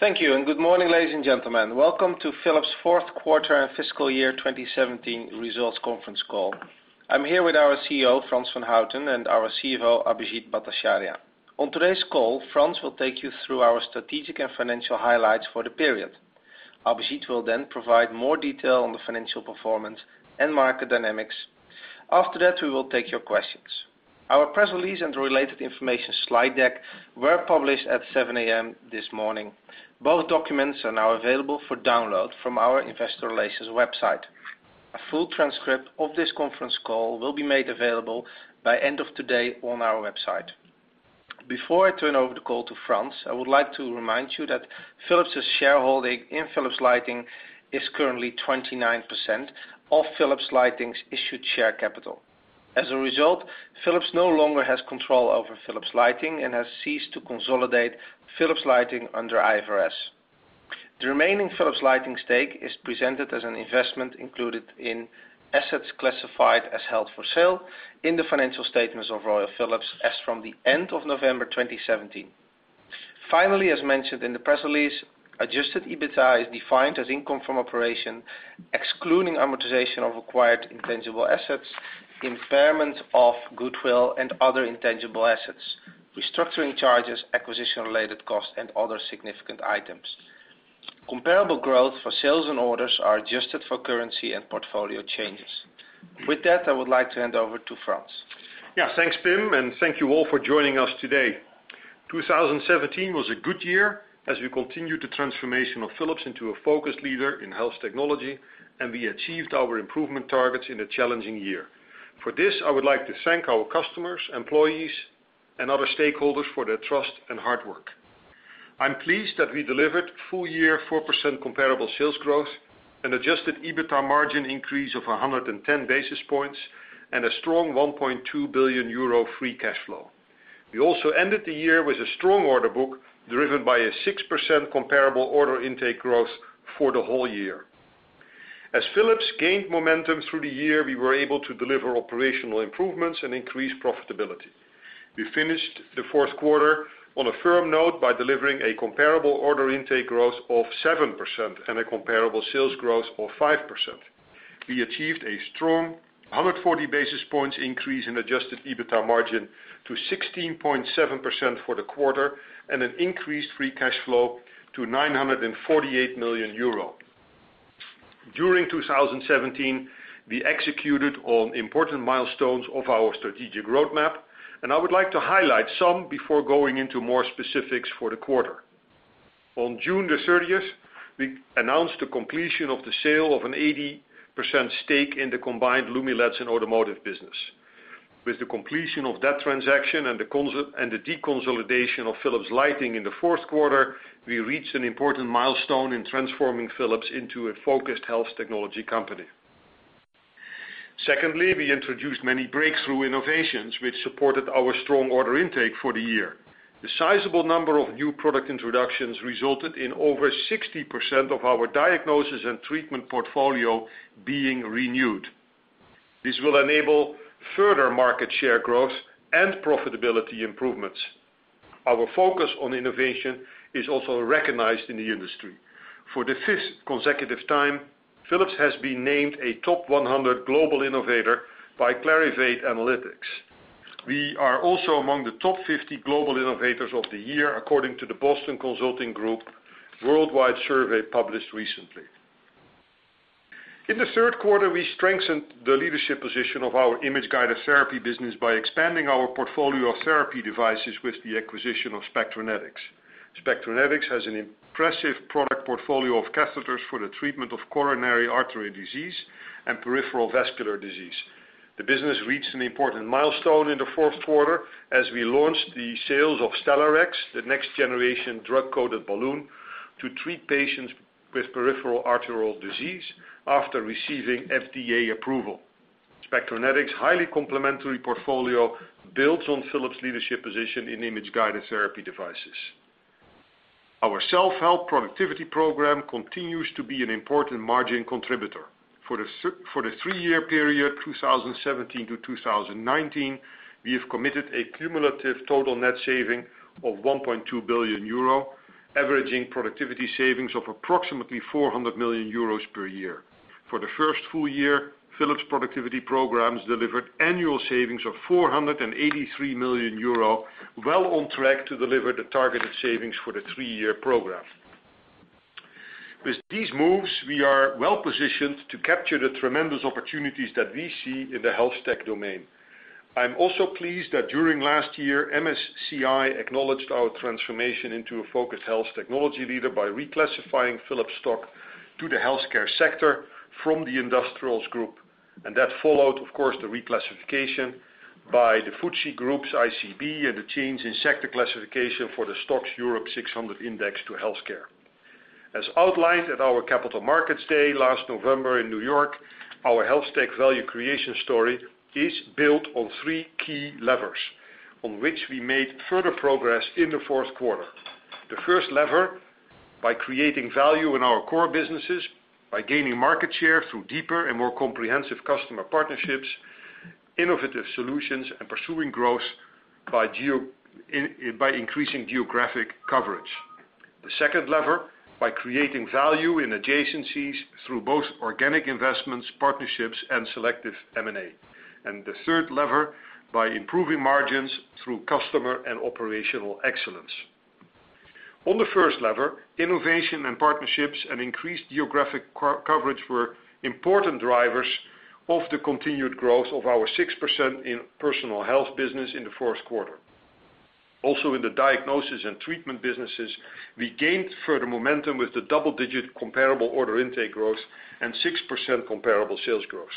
Thank you. Good morning, ladies and gentlemen. Welcome to Philips' fourth quarter and fiscal year 2017 results conference call. I am here with our CEO, Frans van Houten, and our CFO, Abhijit Bhattacharya. On today's call, Frans will take you through our strategic and financial highlights for the period. Abhijit will provide more detail on the financial performance and market dynamics. After that, we will take your questions. Our press release and related information slide deck were published at 7:00 A.M. this morning. Both documents are now available for download from our investor relations website. A full transcript of this conference call will be made available by end of today on our website. Before I turn over the call to Frans, I would like to remind you that Philips' shareholding in Philips Lighting is currently 29% of Philips Lighting's issued share capital. As a result, Philips no longer has control over Philips Lighting and has ceased to consolidate Philips Lighting under IFRS. The remaining Philips Lighting stake is presented as an investment included in assets classified as held for sale in the financial statements of Royal Philips as from the end of November 2017. Finally, as mentioned in the press release, adjusted EBITDA is defined as income from operation, excluding amortization of acquired intangible assets, impairment of goodwill and other intangible assets, restructuring charges, acquisition-related costs, and other significant items. Comparable growth for sales and orders are adjusted for currency and portfolio changes. I would like to hand over to Frans. Thanks, Pim. Thank you all for joining us today. 2017 was a good year as we continued the transformation of Philips into a focused leader in health technology, and we achieved our improvement targets in a challenging year. For this, I would like to thank our customers, employees, and other stakeholders for their trust and hard work. I am pleased that we delivered full year 4% comparable sales growth and adjusted EBITDA margin increase of 110 basis points and a strong 1.2 billion euro free cash flow. We also ended the year with a strong order book, driven by a 6% comparable order intake growth for the whole year. As Philips gained momentum through the year, we were able to deliver operational improvements and increase profitability. We finished the fourth quarter on a firm note by delivering a comparable order intake growth of 7% and a comparable sales growth of 5%. We achieved a strong 140 basis points increase in adjusted EBITDA margin to 16.7% for the quarter and an increased free cash flow to 948 million euro. During 2017, we executed on important milestones of our strategic roadmap. I would like to highlight some before going into more specifics for the quarter. On June 30th, we announced the completion of the sale of an 80% stake in the combined Lumileds and automotive business. With the completion of that transaction and the deconsolidation of Philips Lighting in the fourth quarter, we reached an important milestone in transforming Philips into a focused health technology company. Secondly, we introduced many breakthrough innovations which supported our strong order intake for the year. The sizable number of new product introductions resulted in over 60% of our Diagnosis & Treatment portfolio being renewed. This will enable further market share growth and profitability improvements. Our focus on innovation is also recognized in the industry. For the fifth consecutive time, Philips has been named a top 100 global innovator by Clarivate Analytics. We are also among the top 50 global innovators of the year, according to the Boston Consulting Group worldwide survey published recently. In the third quarter, we strengthened the leadership position of our image-guided therapy business by expanding our portfolio of therapy devices with the acquisition of Spectranetics. Spectranetics has an impressive product portfolio of catheters for the treatment of coronary artery disease and peripheral vascular disease. The business reached an important milestone in the fourth quarter as we launched the sales of Stellarex, the next generation drug-coated balloon, to treat patients with peripheral arterial disease after receiving FDA approval. Spectranetics' highly complementary portfolio builds on Philips' leadership position in image-guided therapy devices. Our self-help productivity program continues to be an important margin contributor. For the three-year period, 2017 to 2019, we have committed a cumulative total net saving of 1.2 billion euro, averaging productivity savings of approximately 400 million euros per year. For the first full year, Philips productivity programs delivered annual savings of 483 million euro, well on track to deliver the targeted savings for the three-year program. With these moves, we are well positioned to capture the tremendous opportunities that we see in the health tech domain. I'm also pleased that during last year, MSCI acknowledged our transformation into a focused health technology leader by reclassifying Philips stock to the healthcare sector from the industrials group. That followed, of course, the reclassification by the FTSE Group's ICB, and the change in sector classification for the STOXX Europe 600 index to healthcare. As outlined at our Capital Markets Day last November in New York, our health tech value creation story is built on three key levers on which we made further progress in the fourth quarter. The first lever, by creating value in our core businesses by gaining market share through deeper and more comprehensive customer partnerships. Innovative solutions and pursuing growth by increasing geographic coverage. The second lever, by creating value in adjacencies through both organic investments, partnerships, and selective M&A. The third lever, by improving margins through customer and operational excellence. On the first lever, innovation and partnerships and increased geographic coverage were important drivers of the continued growth of our 6% in Personal Health business in the first quarter. Also in the Diagnosis & Treatment businesses, we gained further momentum with the double-digit comparable order intake growth and 6% comparable sales growth.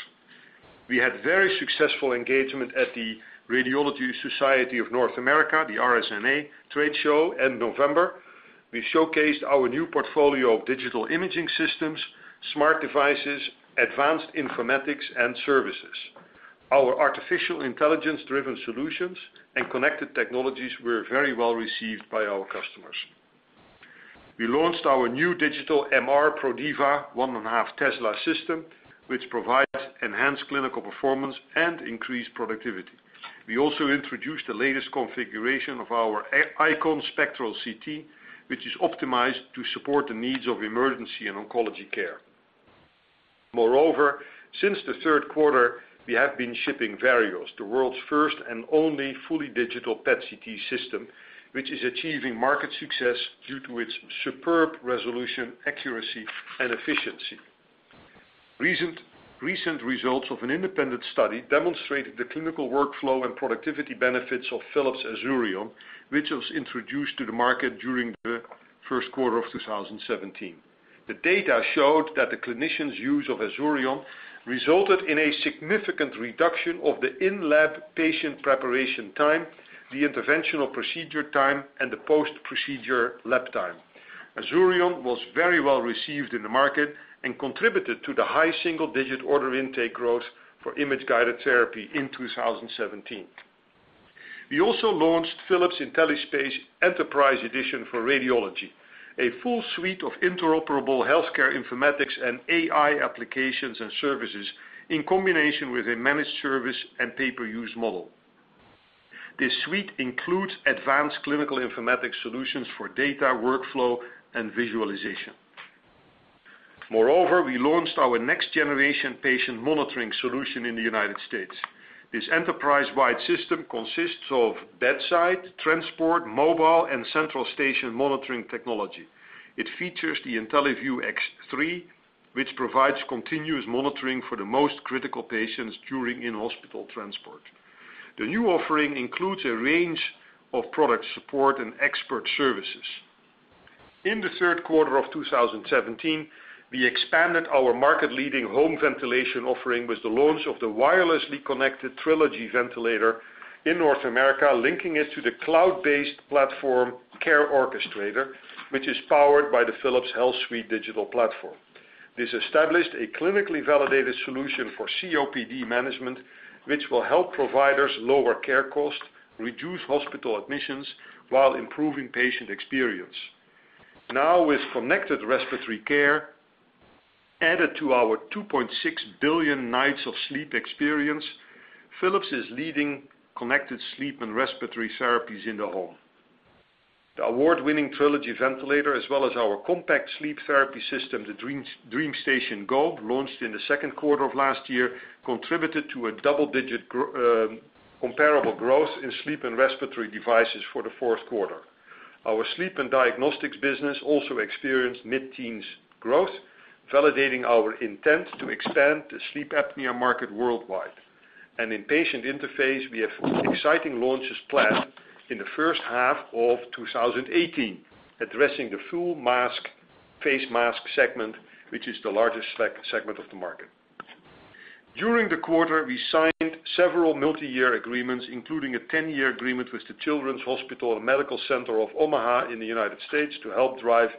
We had very successful engagement at the Radiological Society of North America, the RSNA trade show in November. We showcased our new portfolio of digital imaging systems, smart devices, advanced informatics and services. Our artificial intelligence driven solutions and connected technologies were very well received by our customers. We launched our new digital MR Prodiva 1.5 Tesla system, which provides enhanced clinical performance and increased productivity. We also introduced the latest configuration of our IQon Spectral CT, which is optimized to support the needs of emergency and oncology care. Moreover, since the third quarter, we have been shipping Vereos, the world's first and only fully digital PET/CT system, which is achieving market success due to its superb resolution, accuracy, and efficiency. Recent results of an independent study demonstrated the clinical workflow and productivity benefits of Philips Azurion, which was introduced to the market during the first quarter of 2017. The data showed that the clinicians' use of Azurion resulted in a significant reduction of the in-lab patient preparation time, the interventional procedure time, and the post-procedure lab time. Azurion was very well received in the market and contributed to the high single-digit order intake growth for image-guided therapy in 2017. We also launched Philips IntelliSpace Enterprise Edition for Radiology, a full suite of interoperable healthcare informatics and AI applications and services in combination with a managed service and pay-per-use model. This suite includes advanced clinical informatics solutions for data, workflow, and visualization. Moreover, we launched our next generation patient monitoring solution in the U.S. This enterprise-wide system consists of bedside, transport, mobile, and central station monitoring technology. It features the IntelliVue X3, which provides continuous monitoring for the most critical patients during in-hospital transport. The new offering includes a range of product support and expert services. In the third quarter of 2017, we expanded our market leading home ventilation offering with the launch of the wirelessly connected Trilogy ventilator in North America, linking it to the cloud-based platform Care Orchestrator, which is powered by the Philips HealthSuite digital platform. This established a clinically validated solution for COPD management, which will help providers lower care costs, reduce hospital admissions while improving patient experience. With connected respiratory care added to our 2.6 billion nights of sleep experience, Philips is leading connected sleep and respiratory therapies in the home. The award-winning Trilogy ventilator, as well as our compact sleep therapy system, the DreamStation Go, launched in the second quarter of last year, contributed to a double-digit comparable growth in sleep and respiratory devices for the fourth quarter. Our sleep and diagnostics business also experienced mid-teens growth, validating our intent to expand the sleep apnea market worldwide. In patient interface, we have exciting launches planned in the first half of 2018, addressing the full face mask segment, which is the largest segment of the market. During the quarter, we signed several multi-year agreements, including a 10-year agreement with the Children's Hospital & Medical Center of Omaha in the U.S. to help drive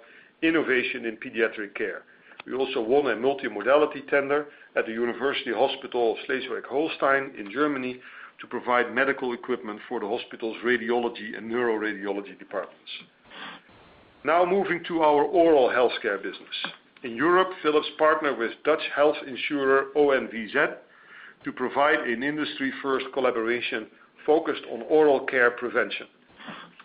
innovation in pediatric care. We also won a multimodality tender at the University Hospital Schleswig-Holstein in Germany to provide medical equipment for the hospital's radiology and neuroradiology departments. Moving to our oral healthcare business. In Europe, Philips partnered with Dutch health insurer ONVZ to provide an industry first collaboration focused on oral care prevention.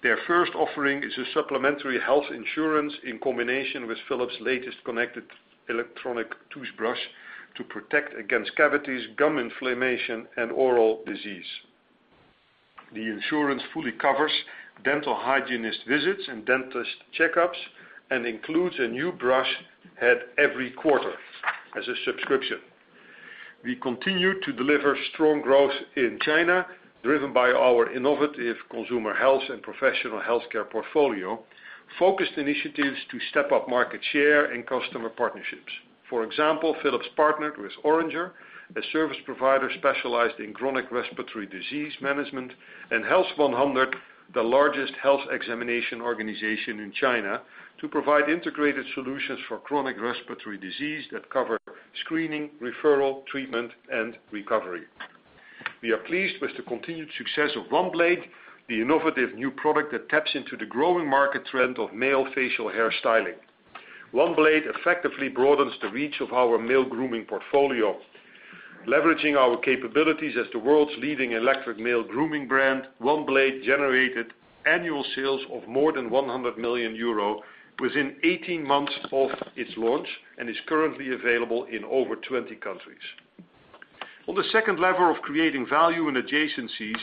Their first offering is a supplementary health insurance in combination with Philips' latest connected electronic toothbrush to protect against cavities, gum inflammation, and oral disease. The insurance fully covers dental hygienist visits and dentist checkups and includes a new brush head every quarter as a subscription. We continue to deliver strong growth in China, driven by our innovative consumer health and professional healthcare portfolio, focused initiatives to step up market share and customer partnerships. For example, Philips partnered with Oranger, a service provider specialized in chronic respiratory disease management, and Health 100, the largest health examination organization in China, to provide integrated solutions for chronic respiratory disease that cover screening, referral, treatment, and recovery. We are pleased with the continued success of OneBlade, the innovative new product that taps into the growing market trend of male facial hair styling. OneBlade effectively broadens the reach of our male grooming portfolio. Leveraging our capabilities as the world's leading electric male grooming brand, OneBlade generated annual sales of more than 100 million euro within 18 months of its launch, and is currently available in over 20 countries. The second lever of creating value in adjacencies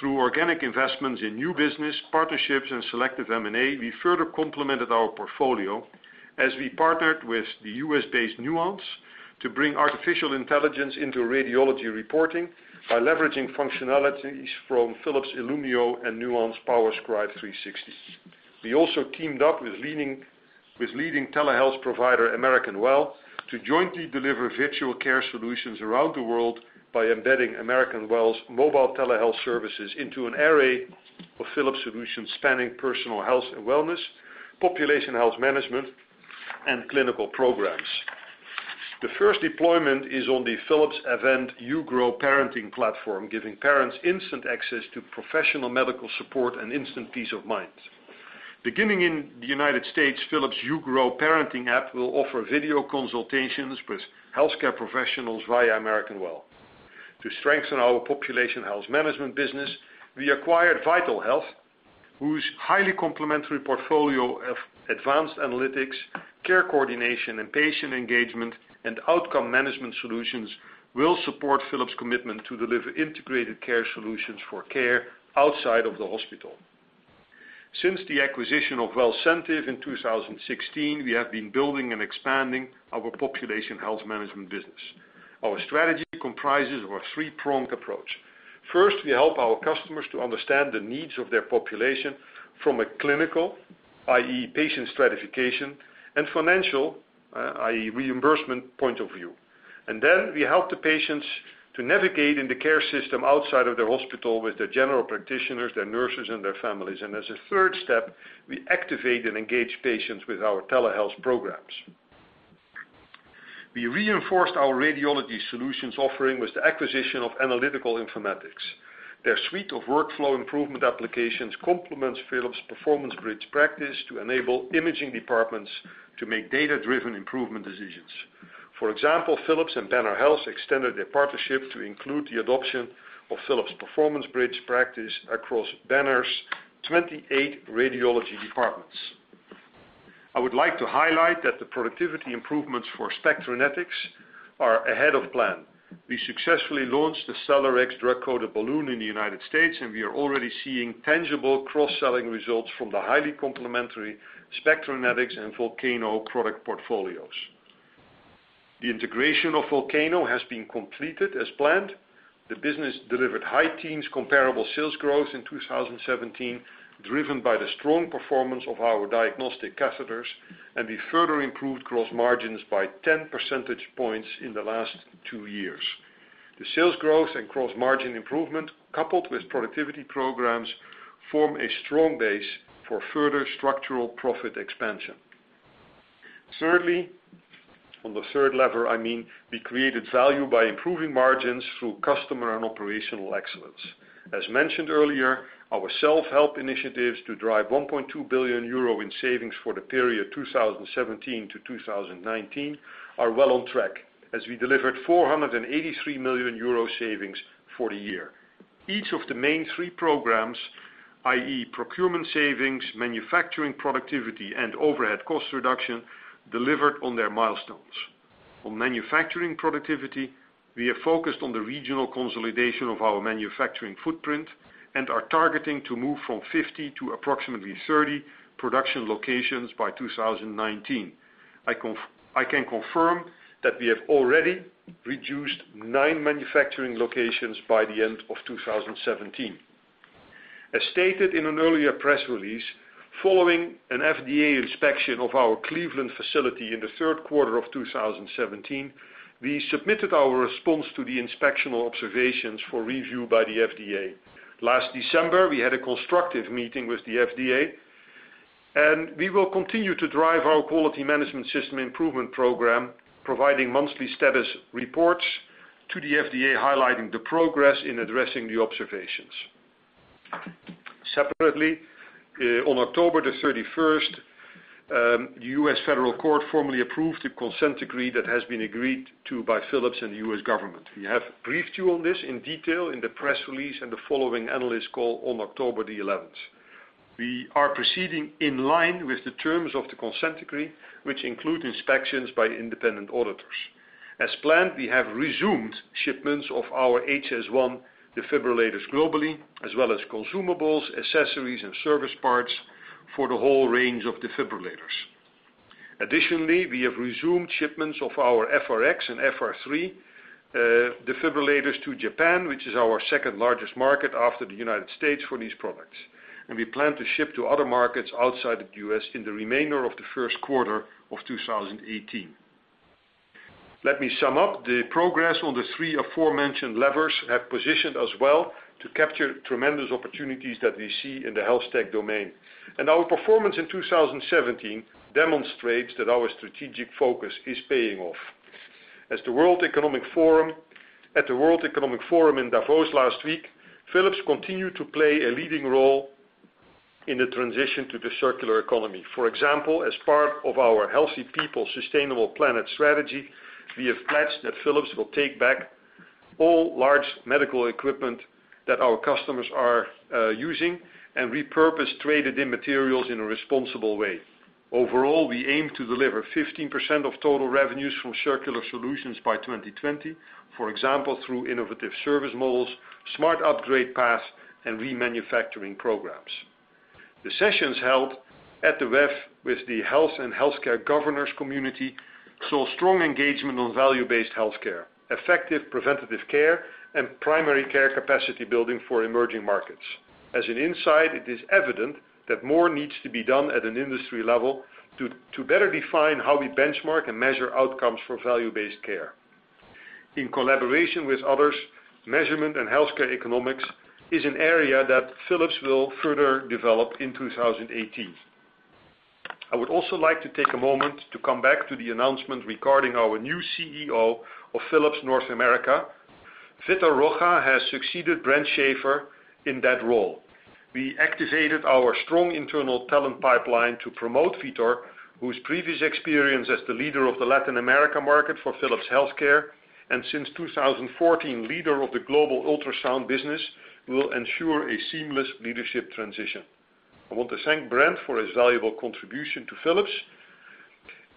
through organic investments in new business partnerships and selective M&A, we further complemented our portfolio as we partnered with the U.S.-based Nuance to bring artificial intelligence into radiology reporting by leveraging functionalities from Philips Illumeo and Nuance PowerScribe 360. We also teamed up with leading telehealth provider American Well to jointly deliver virtual care solutions around the world by embedding American Well's mobile telehealth services into an array of Philips solutions spanning personal health and wellness, population health management, and clinical programs. The first deployment is on the Philips Avent uGrow parenting platform, giving parents instant access to professional medical support and instant peace of mind. Beginning in the U.S., Philips uGrow parenting app will offer video consultations with healthcare professionals via American Well. To strengthen our population health management business, we acquired VitalHealth, whose highly complementary portfolio of advanced analytics, care coordination, and patient engagement and outcome management solutions will support Philips' commitment to deliver integrated care solutions for care outside of the hospital. Since the acquisition of Wellcentive in 2016, we have been building and expanding our population health management business. Our strategy comprises our three-pronged approach. First, we help our customers to understand the needs of their population from a clinical, i.e., patient stratification, and financial, i.e., reimbursement point of view. Then we help the patients to navigate in the care system outside of their hospital with their general practitioners, their nurses, and their families. As a third step, we activate and engage patients with our telehealth programs. We reinforced our radiology solutions offering with the acquisition of Analytical Informatics. Their suite of workflow improvement applications complements Philips PerformanceBridge Practice to enable imaging departments to make data-driven improvement decisions. For example, Philips and Banner Health extended their partnership to include the adoption of Philips PerformanceBridge Practice across Banner's 28 radiology departments. I would like to highlight that the productivity improvements for Spectranetics are ahead of plan. We successfully launched the Stellarex drug-coated balloon in the U.S., and we are already seeing tangible cross-selling results from the highly complementary Spectranetics and Volcano product portfolios. The integration of Volcano has been completed as planned. The business delivered high teens comparable sales growth in 2017, driven by the strong performance of our diagnostic catheters, and we further improved gross margins by 10 percentage points in the last two years. The sales growth and gross margin improvement, coupled with productivity programs, form a strong base for further structural profit expansion. Thirdly, on the third lever, I mean we created value by improving margins through customer and operational excellence. As mentioned earlier, our self-help initiatives to drive 1.2 billion euro in savings for the period 2017 to 2019 are well on track as we delivered 483 million euro savings for the year. Each of the main three programs, i.e., procurement savings, manufacturing productivity, and overhead cost reduction, delivered on their milestones. On manufacturing productivity, we are focused on the regional consolidation of our manufacturing footprint and are targeting to move from 50 to approximately 30 production locations by 2019. I can confirm that we have already reduced nine manufacturing locations by the end of 2017. As stated in an earlier press release, following an FDA inspection of our Cleveland facility in the third quarter of 2017, we submitted our response to the inspectional observations for review by the FDA. Last December, we had a constructive meeting with the FDA, and we will continue to drive our quality management system improvement program, providing monthly status reports to the FDA, highlighting the progress in addressing the observations. Separately, on October the 31st, the U.S. Federal Court formally approved the consent decree that has been agreed to by Philips and the U.S. government. We have briefed you on this in detail in the press release and the following analyst call on October the 11th. We are proceeding in line with the terms of the consent decree, which include inspections by independent auditors. As planned, we have resumed shipments of our HS1 defibrillators globally, as well as consumables, accessories, and service parts for the whole range of defibrillators. Additionally, we have resumed shipments of our FRx and FR3 defibrillators to Japan, which is our second largest market after the United States for these products. We plan to ship to other markets outside of the U.S. in the remainder of the first quarter of 2018. Let me sum up. The progress on the three aforementioned levers have positioned us well to capture tremendous opportunities that we see in the health tech domain. Our performance in 2017 demonstrates that our strategic focus is paying off. As the World Economic Forum in Davos last week, Philips continued to play a leading role in the transition to the circular economy. For example, as part of our Healthy People, Sustainable Planet strategy, we have pledged that Philips will take back all large medical equipment that our customers are using and repurpose traded in materials in a responsible way. Overall, we aim to deliver 15% of total revenues from circular solutions by 2020, for example through innovative service models, smart upgrade paths, and remanufacturing programs. The sessions held at the WEF with the health and healthcare governors community saw strong engagement on value-based healthcare, effective preventative care, and primary care capacity building for emerging markets. As an insight, it is evident that more needs to be done at an industry level to better define how we benchmark and measure outcomes for value-based care. In collaboration with others, measurement and healthcare economics is an area that Philips will further develop in 2018. I would also like to take a moment to come back to the announcement regarding our new CEO of Philips North America. Vitor Rocha has succeeded Brent Shafer in that role. We activated our strong internal talent pipeline to promote Vitor, whose previous experience as the leader of the Latin America market for Philips Healthcare, and since 2014, leader of the global ultrasound business, will ensure a seamless leadership transition. I want to thank Brent for his valuable contribution to Philips,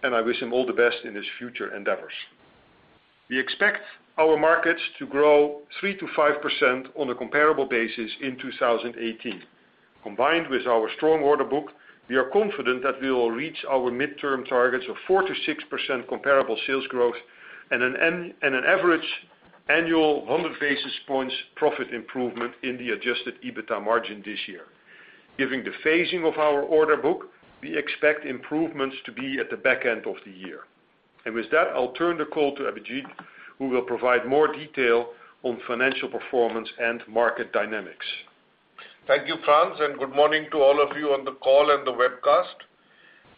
and I wish him all the best in his future endeavors. We expect our markets to grow 3%-5% on a comparable basis in 2018. Combined with our strong order book, we are confident that we will reach our midterm targets of 4%-6% comparable sales growth and an average annual 100 basis points profit improvement in the adjusted EBITDA margin this year. Given the phasing of our order book, we expect improvements to be at the back end of the year. With that, I'll turn the call to Abhijit, who will provide more detail on financial performance and market dynamics. Thank you, Frans, good morning to all of you on the call and the webcast.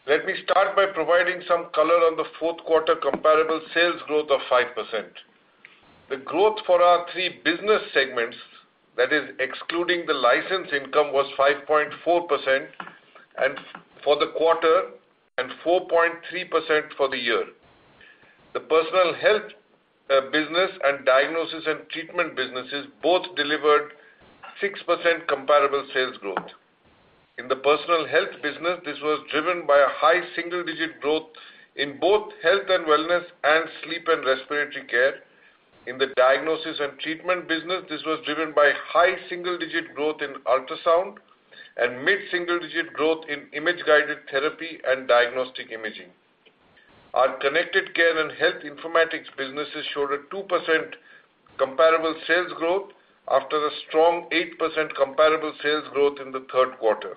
Let me start by providing some color on the fourth quarter comparable sales growth of 5%. The growth for our three business segments, that is excluding the license income, was 5.4% for the quarter and 4.3% for the year. The Personal Health business and Diagnosis & Treatment businesses both delivered 6% comparable sales growth. In the Personal Health business, this was driven by a high single-digit growth in both health and wellness and sleep and respiratory care. In the Diagnosis & Treatment business, this was driven by high single-digit growth in ultrasound and mid-single digit growth in image-guided therapy and diagnostic imaging. Our Connected Care & Health Informatics businesses showed a 2% comparable sales growth after a strong 8% comparable sales growth in the third quarter.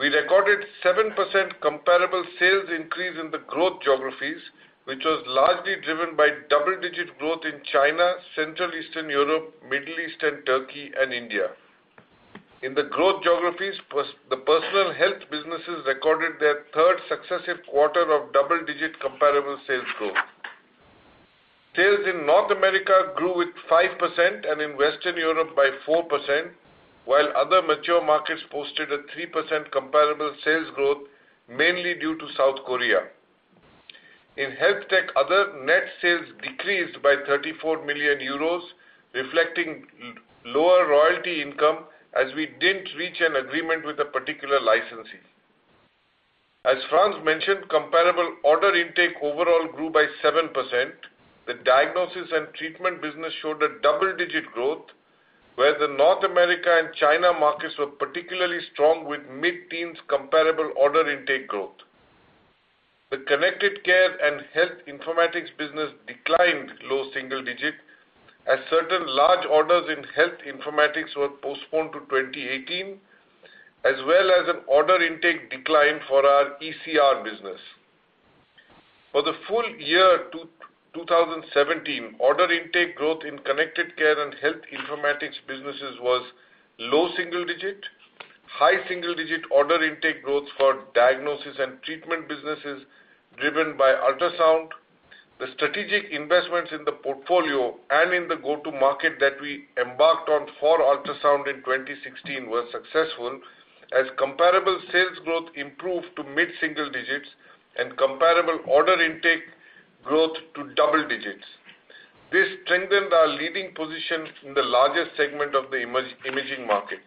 We recorded 7% comparable sales increase in the growth geographies, which was largely driven by double-digit growth in China, Central Eastern Europe, Middle East and Turkey, and India. In the growth geographies, the Personal Health businesses recorded their third successive quarter of double-digit comparable sales growth. Sales in North America grew with 5% and in Western Europe by 4%, while other mature markets posted a 3% comparable sales growth, mainly due to South Korea. In Healthtech, other net sales decreased by 34 million euros, reflecting lower royalty income as we didn't reach an agreement with a particular licensee. As Frans mentioned, comparable order intake overall grew by 7%. The Diagnosis & Treatment business showed a double-digit growth, where the North America and China markets were particularly strong with mid-teens comparable order intake growth. The Connected Care and Health Informatics business declined low single-digit as certain large orders in Health Informatics were postponed to 2018, as well as an order intake decline for our ECR business. For the full year 2017, order intake growth in Connected Care and Health Informatics businesses was low single-digit, high single-digit order intake growth for Diagnosis and Treatment businesses driven by ultrasound. The strategic investments in the portfolio and in the go-to market that we embarked on for ultrasound in 2016 were successful as comparable sales growth improved to mid-single digits and comparable order intake growth to double digits. This strengthened our leading position in the largest segment of the imaging market.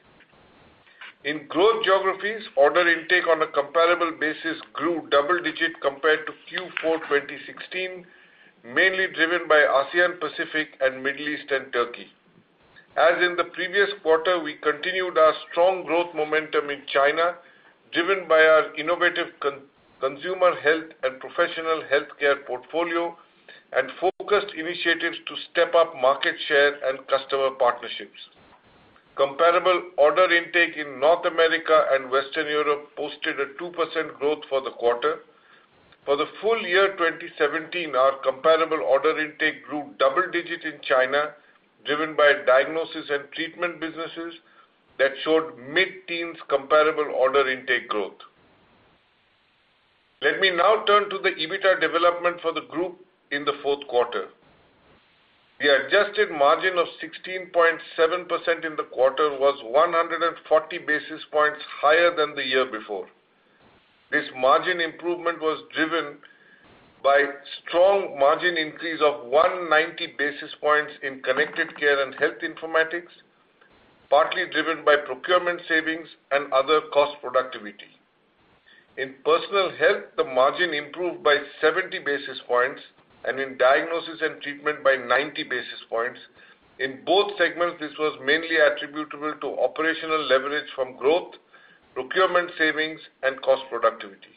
In growth geographies, order intake on a comparable basis grew double-digit compared to Q4 2016, mainly driven by Asia Pacific and Middle East and Turkey. As in the previous quarter, we continued our strong growth momentum in China, driven by our innovative consumer health and professional healthcare portfolio, and focused initiatives to step up market share and customer partnerships. Comparable order intake in North America and Western Europe posted a 2% growth for the quarter. For the full year 2017, our comparable order intake grew double-digit in China, driven by Diagnosis and Treatment businesses that showed mid-teens comparable order intake growth. Let me now turn to the EBITA development for the group in the fourth quarter. The adjusted margin of 16.7% in the quarter was 140 basis points higher than the year before. This margin improvement was driven by strong margin increase of 190 basis points in Connected Care and Health Informatics, partly driven by procurement savings and other cost productivity. In Personal Health, the margin improved by 70 basis points, and in Diagnosis and Treatment by 90 basis points. In both segments, this was mainly attributable to operational leverage from growth, procurement savings, and cost productivity.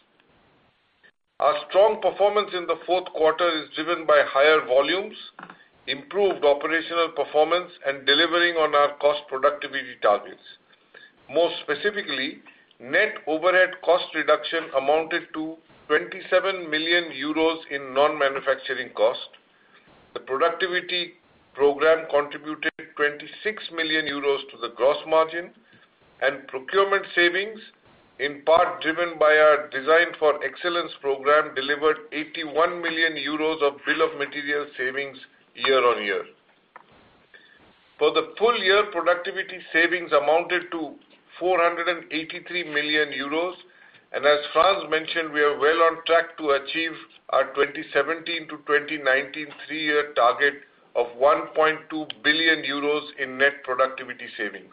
Our strong performance in the fourth quarter is driven by higher volumes, improved operational performance, and delivering on our cost productivity targets. More specifically, net overhead cost reduction amounted to 27 million euros in non-manufacturing cost. The productivity program contributed 26 million euros to the gross margin, and procurement savings, in part driven by our Design for Excellence program, delivered 81 million euros of bill of material savings year on year. For the full year, productivity savings amounted to 483 million euros. As Frans mentioned, we are well on track to achieve our 2017 to 2019 three-year target of 1.2 billion euros in net productivity savings.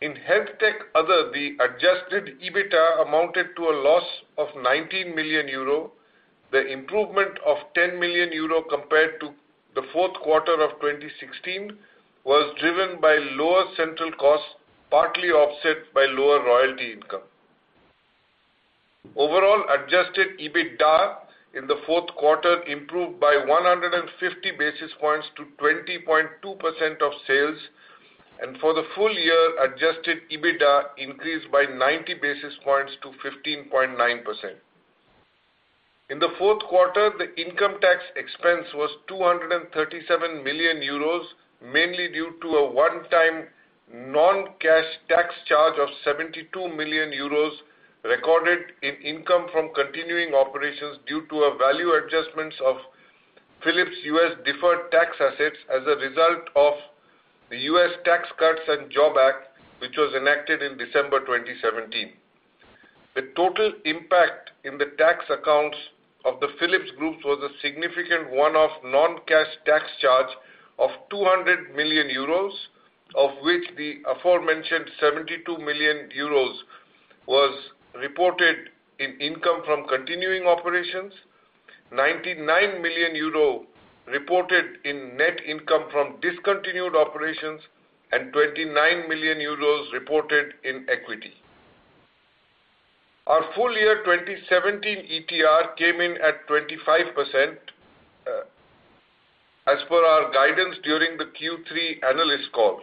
In HealthTech Other, the adjusted EBITA amounted to a loss of 19 million euro. The improvement of 10 million euro compared to the fourth quarter of 2016 was driven by lower central costs, partly offset by lower royalty income. Overall, adjusted EBITDA in the fourth quarter improved by 150 basis points to 20.2% of sales. For the full year, adjusted EBITDA increased by 90 basis points to 15.9%. In the fourth quarter, the income tax expense was 237 million euros, mainly due to a one-time non-cash tax charge of 72 million euros recorded in income from continuing operations due to a value adjustments of Philips U.S. deferred tax assets as a result of the U.S. Tax Cuts and Jobs Act, which was enacted in December 2017. The total impact in the tax accounts of the Philips Group was a significant one-off non-cash tax charge of 200 million euros, of which the aforementioned 72 million euros was reported in income from continuing operations, 99 million euro reported in net income from discontinued operations, and 29 million euros reported in equity. Our full year 2017 ETR came in at 25%, as per our guidance during the Q3 analyst call.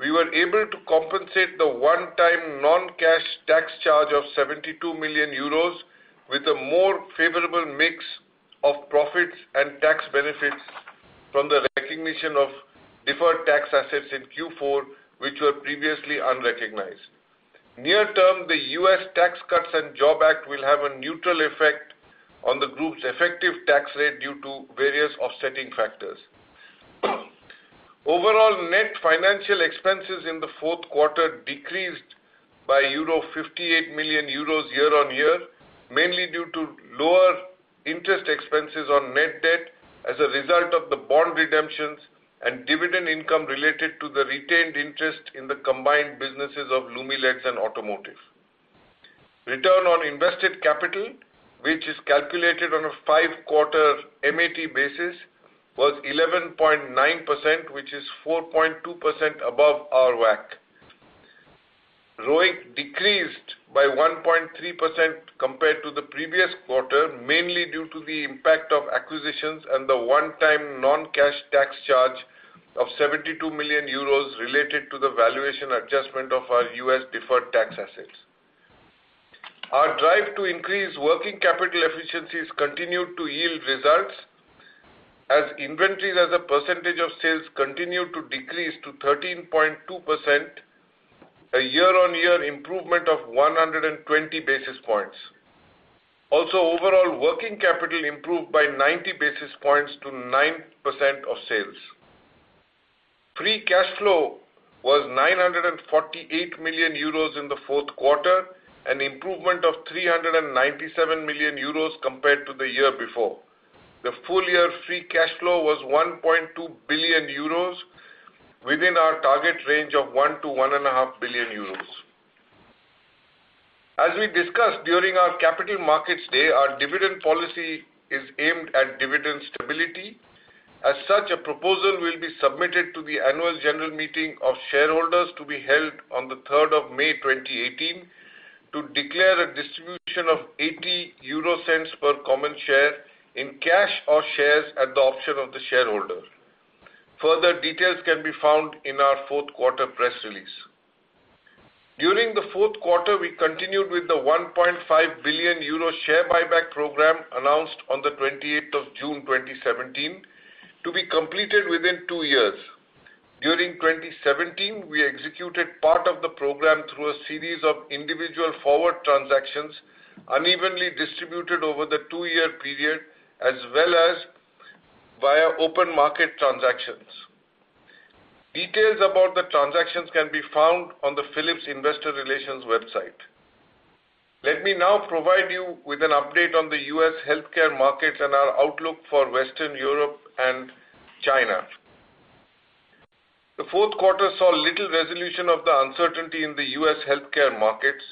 We were able to compensate the one-time non-cash tax charge of 72 million euros with a more favorable mix of profits and tax benefits from the recognition of deferred tax assets in Q4, which were previously unrecognized. Near term, the US Tax Cuts and Jobs Act will have a neutral effect on the group's effective tax rate due to various offsetting factors. Overall net financial expenses in the fourth quarter decreased by 58 million euros year-over-year, mainly due to lower interest expenses on net debt as a result of the bond redemptions and dividend income related to the retained interest in the combined businesses of Lumileds and Automotive. Return on invested capital, which is calculated on a five-quarter MAT basis, was 11.9%, which is 4.2% above our WACC. ROIC decreased by 1.3% compared to the previous quarter, mainly due to the impact of acquisitions and the one-time non-cash tax charge of 72 million euros related to the valuation adjustment of our U.S. deferred tax assets. Overall, working capital efficiencies continued to yield results as inventories as a percentage of sales continued to decrease to 13.2%, a year-over-year improvement of 120 basis points. Overall, working capital improved by 90 basis points to 9% of sales. Free cash flow was 948 million euros in the fourth quarter, an improvement of 397 million euros compared to the year before. The full year free cash flow was 1.2 billion euros, within our target range of one to 1.5 billion euros. As we discussed during our Capital Markets Day, our dividend policy is aimed at dividend stability. A proposal will be submitted to the annual general meeting of shareholders to be held on the 3rd of May 2018 to declare a distribution of 0.80 per common share in cash or shares at the option of the shareholder. Further details can be found in our fourth quarter press release. During the fourth quarter, we continued with the 1.5 billion euro share buyback program announced on the 28th of June 2017 to be completed within two years. During 2017, we executed part of the program through a series of individual forward transactions unevenly distributed over the two-year period, as well as via open market transactions. Details about the transactions can be found on the Philips investor relations website. Let me now provide you with an update on the U.S. healthcare market and our outlook for Western Europe and China. The fourth quarter saw little resolution of the uncertainty in the U.S. healthcare markets.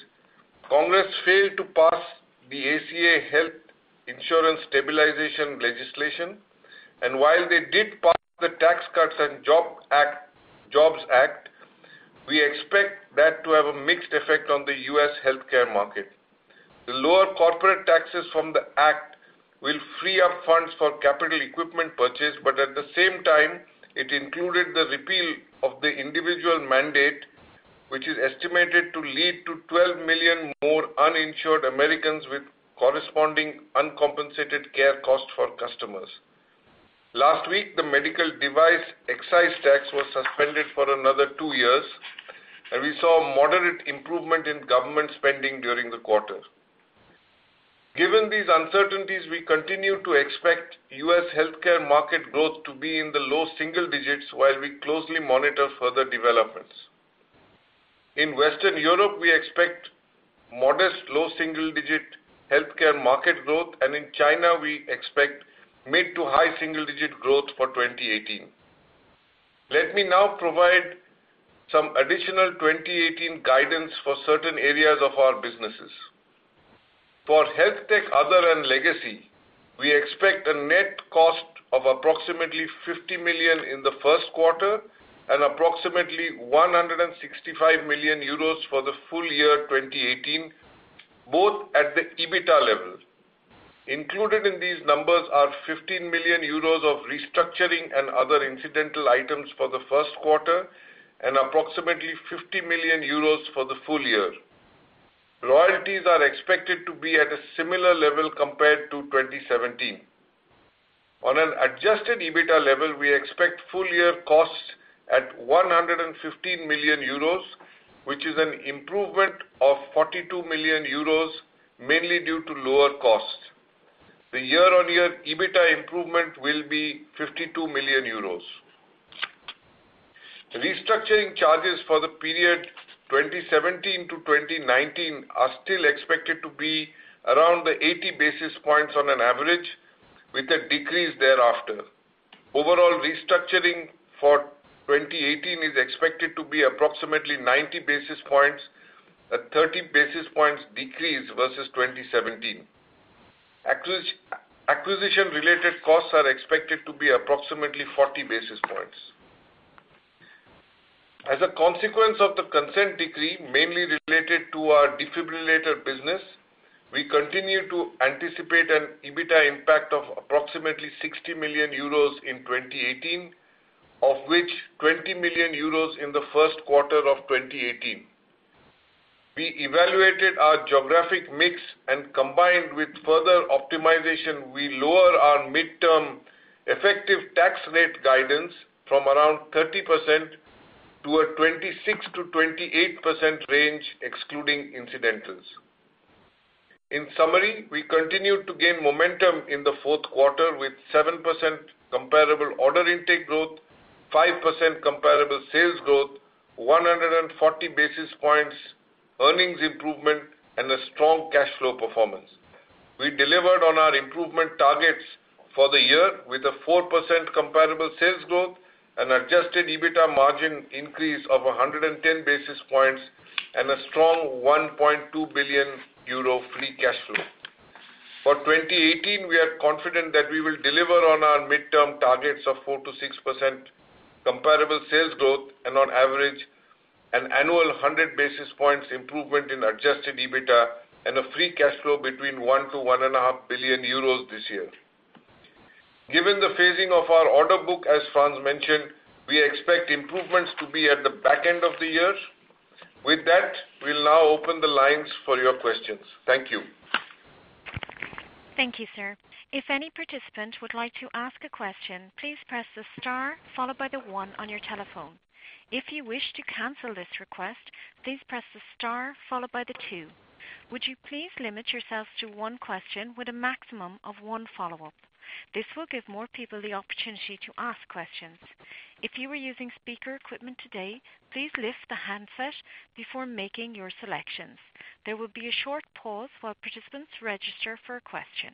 Congress failed to pass the ACA Health Insurance Stabilization legislation. While they did pass the Tax Cuts and Jobs Act, we expect that to have a mixed effect on the U.S. healthcare market. The lower corporate taxes from the act will free up funds for capital equipment purchase. At the same time, it included the repeal of the individual mandate, which is estimated to lead to 12 million more uninsured Americans with corresponding uncompensated care costs for customers. Last week, the medical device excise tax was suspended for another two years, and we saw a moderate improvement in government spending during the quarter. Given these uncertainties, we continue to expect U.S. healthcare market growth to be in the low single digits while we closely monitor further developments. In Western Europe, we expect modest low single-digit healthcare market growth, and in China, we expect mid to high single-digit growth for 2018. Let me now provide some additional 2018 guidance for certain areas of our businesses. For HealthTech Other and Legacy, we expect a net cost of approximately 50 million in the first quarter and approximately 165 million euros for the full year 2018, both at the EBITA level. Included in these numbers are 15 million euros of restructuring and other incidental items for the first quarter and approximately 50 million euros for the full year. Royalties are expected to be at a similar level compared to 2017. On an adjusted EBITA level, we expect full-year costs at 115 million euros, which is an improvement of 42 million euros, mainly due to lower costs. The year-on-year EBITA improvement will be 52 million euros. Restructuring charges for the period 2017 to 2019 are still expected to be around the 80 basis points on an average, with a decrease thereafter. Overall restructuring for 2018 is expected to be approximately 90 basis points at 30 basis points decrease versus 2017. Acquisition-related costs are expected to be approximately 40 basis points. As a consequence of the consent decree, mainly related to our defibrillator business, we continue to anticipate an EBITA impact of approximately 60 million euros in 2018, of which 20 million euros in the first quarter of 2018. We evaluated our geographic mix and combined with further optimization, we lower our midterm effective tax rate guidance from around 30% to a 26%-28% range, excluding incidentals. In summary, we continue to gain momentum in the fourth quarter with 7% comparable order intake growth, 5% comparable sales growth, 140 basis points earnings improvement, and a strong cash flow performance. We delivered on our improvement targets for the year with a 4% comparable sales growth and adjusted EBITA margin increase of 110 basis points and a strong 1.2 billion euro free cash flow. For 2018, we are confident that we will deliver on our midterm targets of 4%-6% comparable sales growth and on average, an annual 100 basis points improvement in adjusted EBITA and a free cash flow between one billion euros to one and a half billion euros this year. Given the phasing of our order book, as Frans mentioned, we expect improvements to be at the back end of the year. With that, we'll now open the lines for your questions. Thank you. Thank you, sir. If any participant would like to ask a question, please press the star followed by the one on your telephone. If you wish to cancel this request, please press the star followed by the two. Would you please limit yourselves to one question with a maximum of one follow-up? This will give more people the opportunity to ask questions. If you are using speaker equipment today, please lift the handset before making your selections. There will be a short pause while participants register for a question.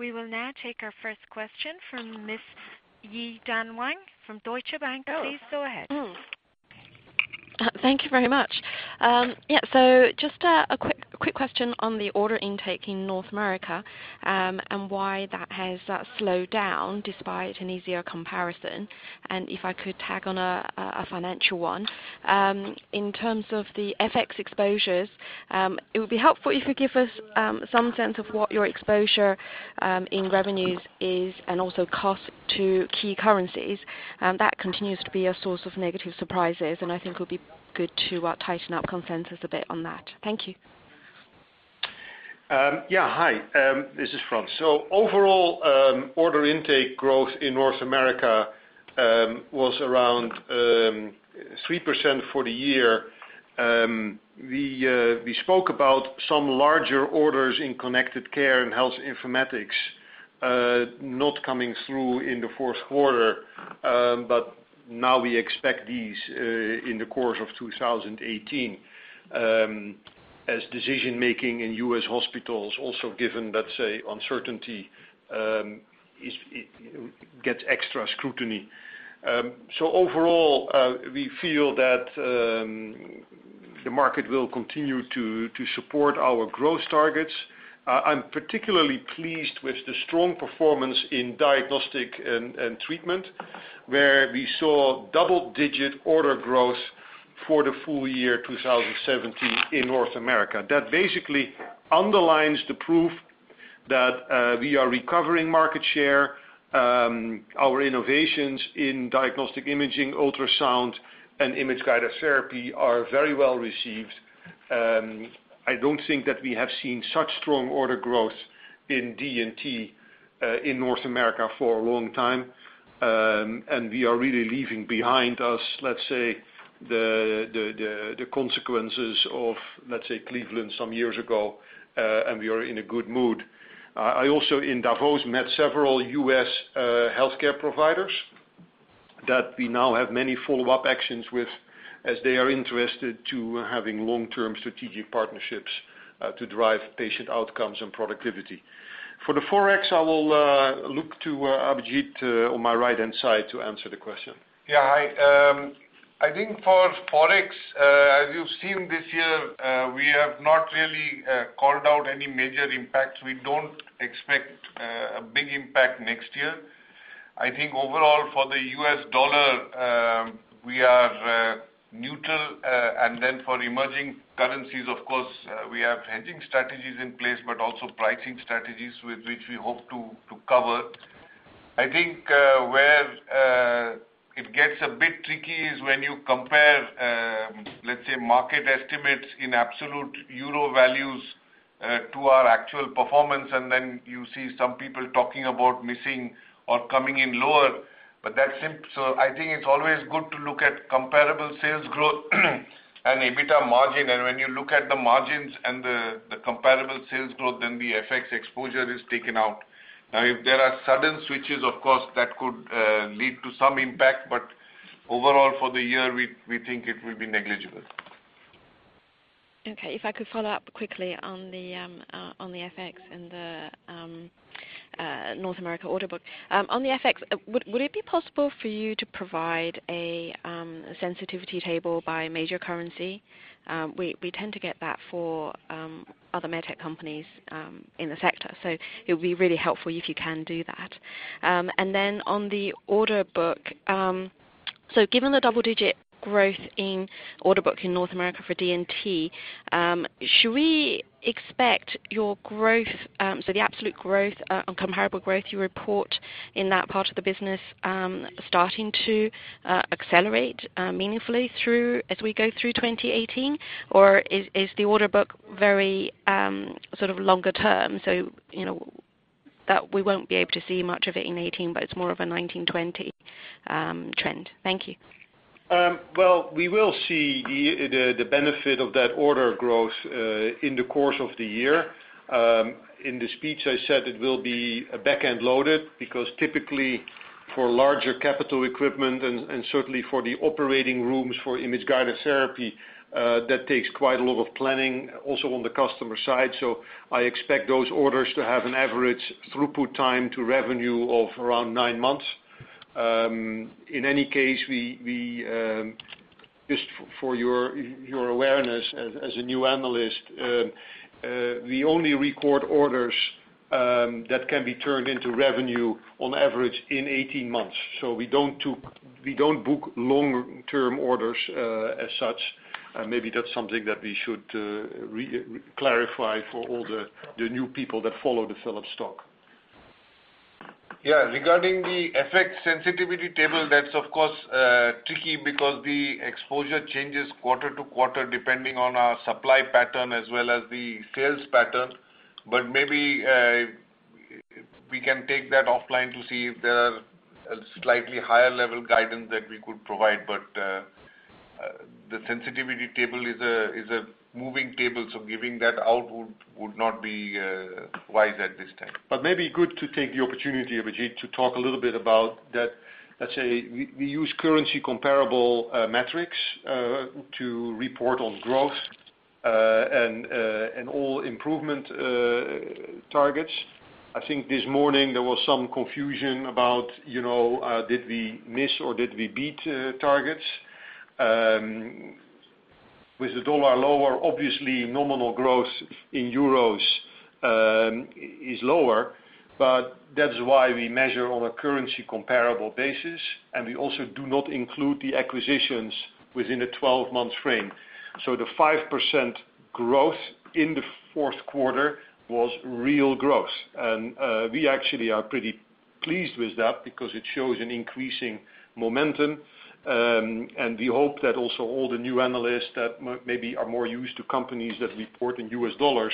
We will now take our first question from Miss Yi-Dan Wang from Deutsche Bank. Please go ahead. Thank you very much. Just a quick question on the order intake in North America, why that has slowed down despite an easier comparison. If I could tag on a financial one. In terms of the FX exposures, it would be helpful if you could give us some sense of what your exposure in revenues is, also cost to key currencies. That continues to be a source of negative surprises. I think it would be good to tighten up consensus a bit on that. Thank you. Hi, this is Frans. Overall, order intake growth in North America was around 3% for the year. We spoke about some larger orders in connected care and health informatics, not coming through in the fourth quarter, but now we expect these in the course of 2018, as decision-making in U.S. hospitals, also given, let's say, uncertainty, gets extra scrutiny. Overall, we feel that the market will continue to support our growth targets. I'm particularly pleased with the strong performance in diagnostic and treatment, where we saw double-digit order growth for the full year 2017 in North America. That basically underlines the proof that we are recovering market share. Our innovations in diagnostic imaging, ultrasound, and image-guided therapy are very well received. I don't think that we have seen such strong order growth in D&T in North America for a long time. We are really leaving behind us, let's say, the consequences of, let's say, Cleveland some years ago. We are in a good mood. I also, in Davos, met several U.S. healthcare providers that we now have many follow-up actions with, as they are interested to having long-term strategic partnerships to drive patient outcomes and productivity. For the ForEx, I will look to Abhijit on my right-hand side to answer the question. Yeah, hi. I think for FX, as you've seen this year, we have not really called out any major impacts. We don't expect a big impact next year. I think overall for the U.S. dollar, we are neutral. For emerging currencies, of course, we have hedging strategies in place, but also pricing strategies with which we hope to cover. I think where it gets a bit tricky is when you compare, let's say, market estimates in absolute EUR values to our actual performance, you see some people talking about missing or coming in lower. I think it's always good to look at comparable sales growth and EBITDA margin. When you look at the margins and the comparable sales growth, then the FX exposure is taken out. If there are sudden switches, of course, that could lead to some impact, overall for the year, we think it will be negligible. If I could follow up quickly on the FX and the North America order book. On the FX, would it be possible for you to provide a sensitivity table by major currency? We tend to get that for other medtech companies in the sector. It would be really helpful if you can do that. On the order book, given the double-digit growth in order book in North America for D&T, should we expect your growth, the absolute growth on comparable growth you report in that part of the business, starting to accelerate meaningfully as we go through 2018? Is the order book very longer term, that we won't be able to see much of it in 2018, but it's more of a 2019, 2020 trend? Thank you. We will see the benefit of that order growth in the course of the year. In the speech, I said it will be backend loaded because typically for larger capital equipment and certainly for the operating rooms for image-guided therapy, that takes quite a lot of planning also on the customer side. I expect those orders to have an average throughput time to revenue of around nine months. In any case, just for your awareness as a new analyst, we only record orders that can be turned into revenue on average in 18 months. We don't book long-term orders as such. Maybe that's something that we should clarify for all the new people that follow the Philips stock. Yeah, regarding the FX sensitivity table, that's of course tricky because the exposure changes quarter to quarter depending on our supply pattern as well as the sales pattern. Maybe we can take that offline to see if there are a slightly higher level guidance that we could provide. The sensitivity table is a moving table, so giving that out would not be wise at this time. Maybe good to take the opportunity, Abhijit, to talk a little bit about that, let's say, we use currency comparable metrics to report on growth and all improvement targets. I think this morning there was some confusion about did we miss or did we beat targets? With the U.S. dollar lower, obviously nominal growth in EUR is lower, that's why we measure on a currency comparable basis, and we also do not include the acquisitions within a 12-month frame. The 5% growth in the fourth quarter was real growth. We actually are pretty pleased with that because it shows an increasing momentum. We hope that also all the new analysts that maybe are more used to companies that report in U.S. dollars,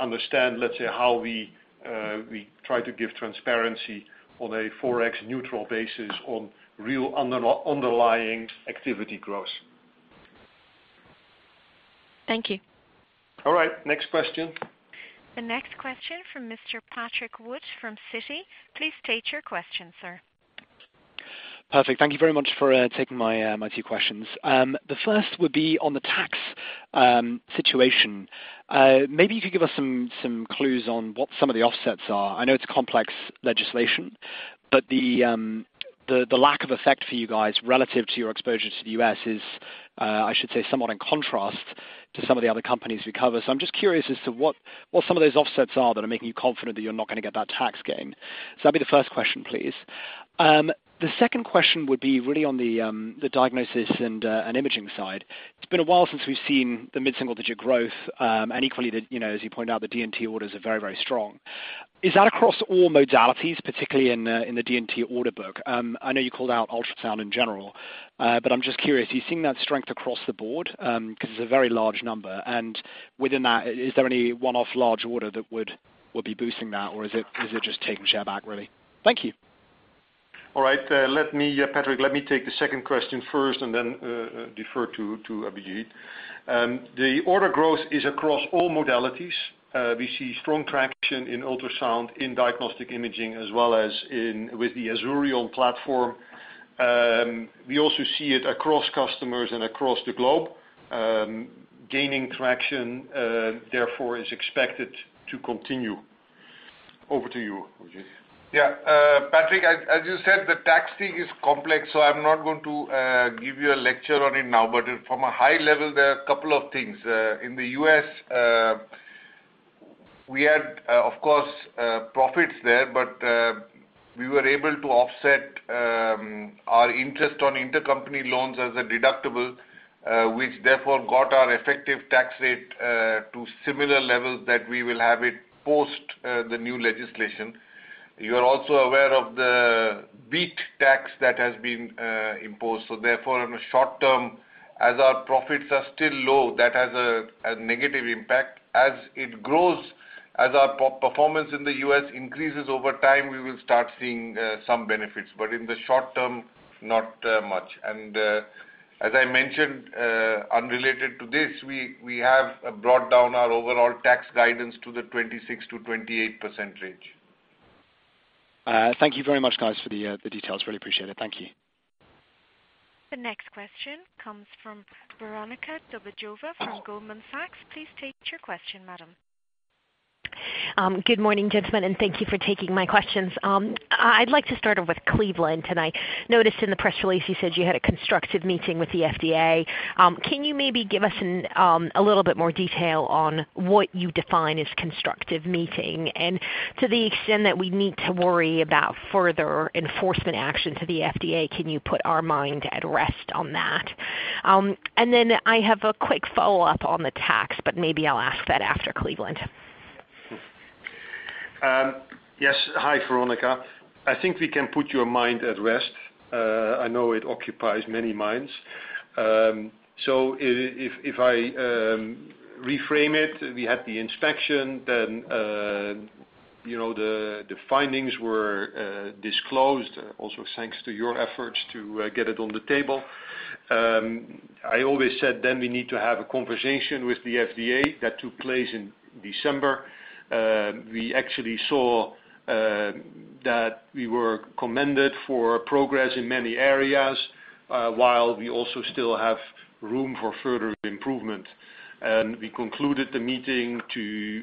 understand, let's say, how we try to give transparency on a ForEx neutral basis on real underlying activity growth. Thank you. All right. Next question. The next question from Mr. Patrick Wood from Citi. Please state your question, sir. Perfect. Thank you very much for taking my few questions. The first would be on the tax situation. Maybe if you could give us some clues on what some of the offsets are. I know it's complex legislation. The lack of effect for you guys relative to your exposure to the U.S. is, I should say, somewhat in contrast to some of the other companies we cover. I'm just curious as to what some of those offsets are that are making you confident that you're not going to get that tax gain. That'd be the first question, please. The second question would be really on the diagnosis and imaging side. It's been a while since we've seen the mid-single-digit growth. Equally, as you pointed out, the D&T orders are very, very strong. Is that across all modalities, particularly in the D&T order book? I know you called out ultrasound in general. I'm just curious, are you seeing that strength across the board? Because it's a very large number. Within that, is there any one-off large order that would be boosting that, or is it just taking share back, really? Thank you. All right. Patrick, let me take the second question first and then defer to Abhijit. The order growth is across all modalities. We see strong traction in ultrasound, in diagnostic imaging, as well as with the Azurion platform. We also see it across customers and across the globe. Gaining traction, therefore, is expected to continue. Over to you, Abhijit. Patrick, as you said, the tax thing is complex, so I'm not going to give you a lecture on it now. From a high level, there are a couple of things. In the U.S., we had, of course, profits there, but we were able to offset our interest on intercompany loans as a deductible, which therefore got our effective tax rate to similar levels that we will have it post the new legislation. You are also aware of the BEAT tax that has been imposed. Therefore, on the short term, as our profits are still low, that has a negative impact. As it grows, as our performance in the U.S. increases over time, we will start seeing some benefits. In the short term, not much. As I mentioned, unrelated to this, we have brought down our overall tax guidance to the 26%-28% range. Thank you very much, guys, for the details. Really appreciate it. Thank you. The next question comes from Veronika Dubajova from Goldman Sachs. Please state your question, madam. Good morning, gentlemen, thank you for taking my questions. I'd like to start off with Cleveland. I noticed in the press release you said you had a constructive meeting with the FDA. Can you maybe give us a little bit more detail on what you define as constructive meeting? To the extent that we need to worry about further enforcement action to the FDA, can you put our mind at rest on that? Then I have a quick follow-up on the tax, maybe I'll ask that after Cleveland. Yes. Hi, Veronika. I think we can put your mind at rest. I know it occupies many minds. If I reframe it, we had the inspection, then the findings were disclosed, also thanks to your efforts to get it on the table. I always said then we need to have a conversation with the FDA. That took place in December. We actually saw that we were commended for progress in many areas, while we also still have room for further improvement. We concluded the meeting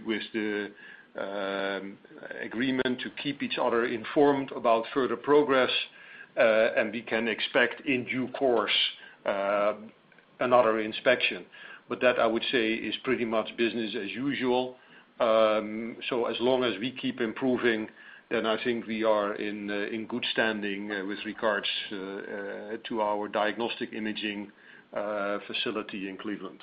with the agreement to keep each other informed about further progress, and we can expect in due course, another inspection. That, I would say, is pretty much business as usual. As long as we keep improving, then I think we are in good standing with regards to our diagnostic imaging facility in Cleveland.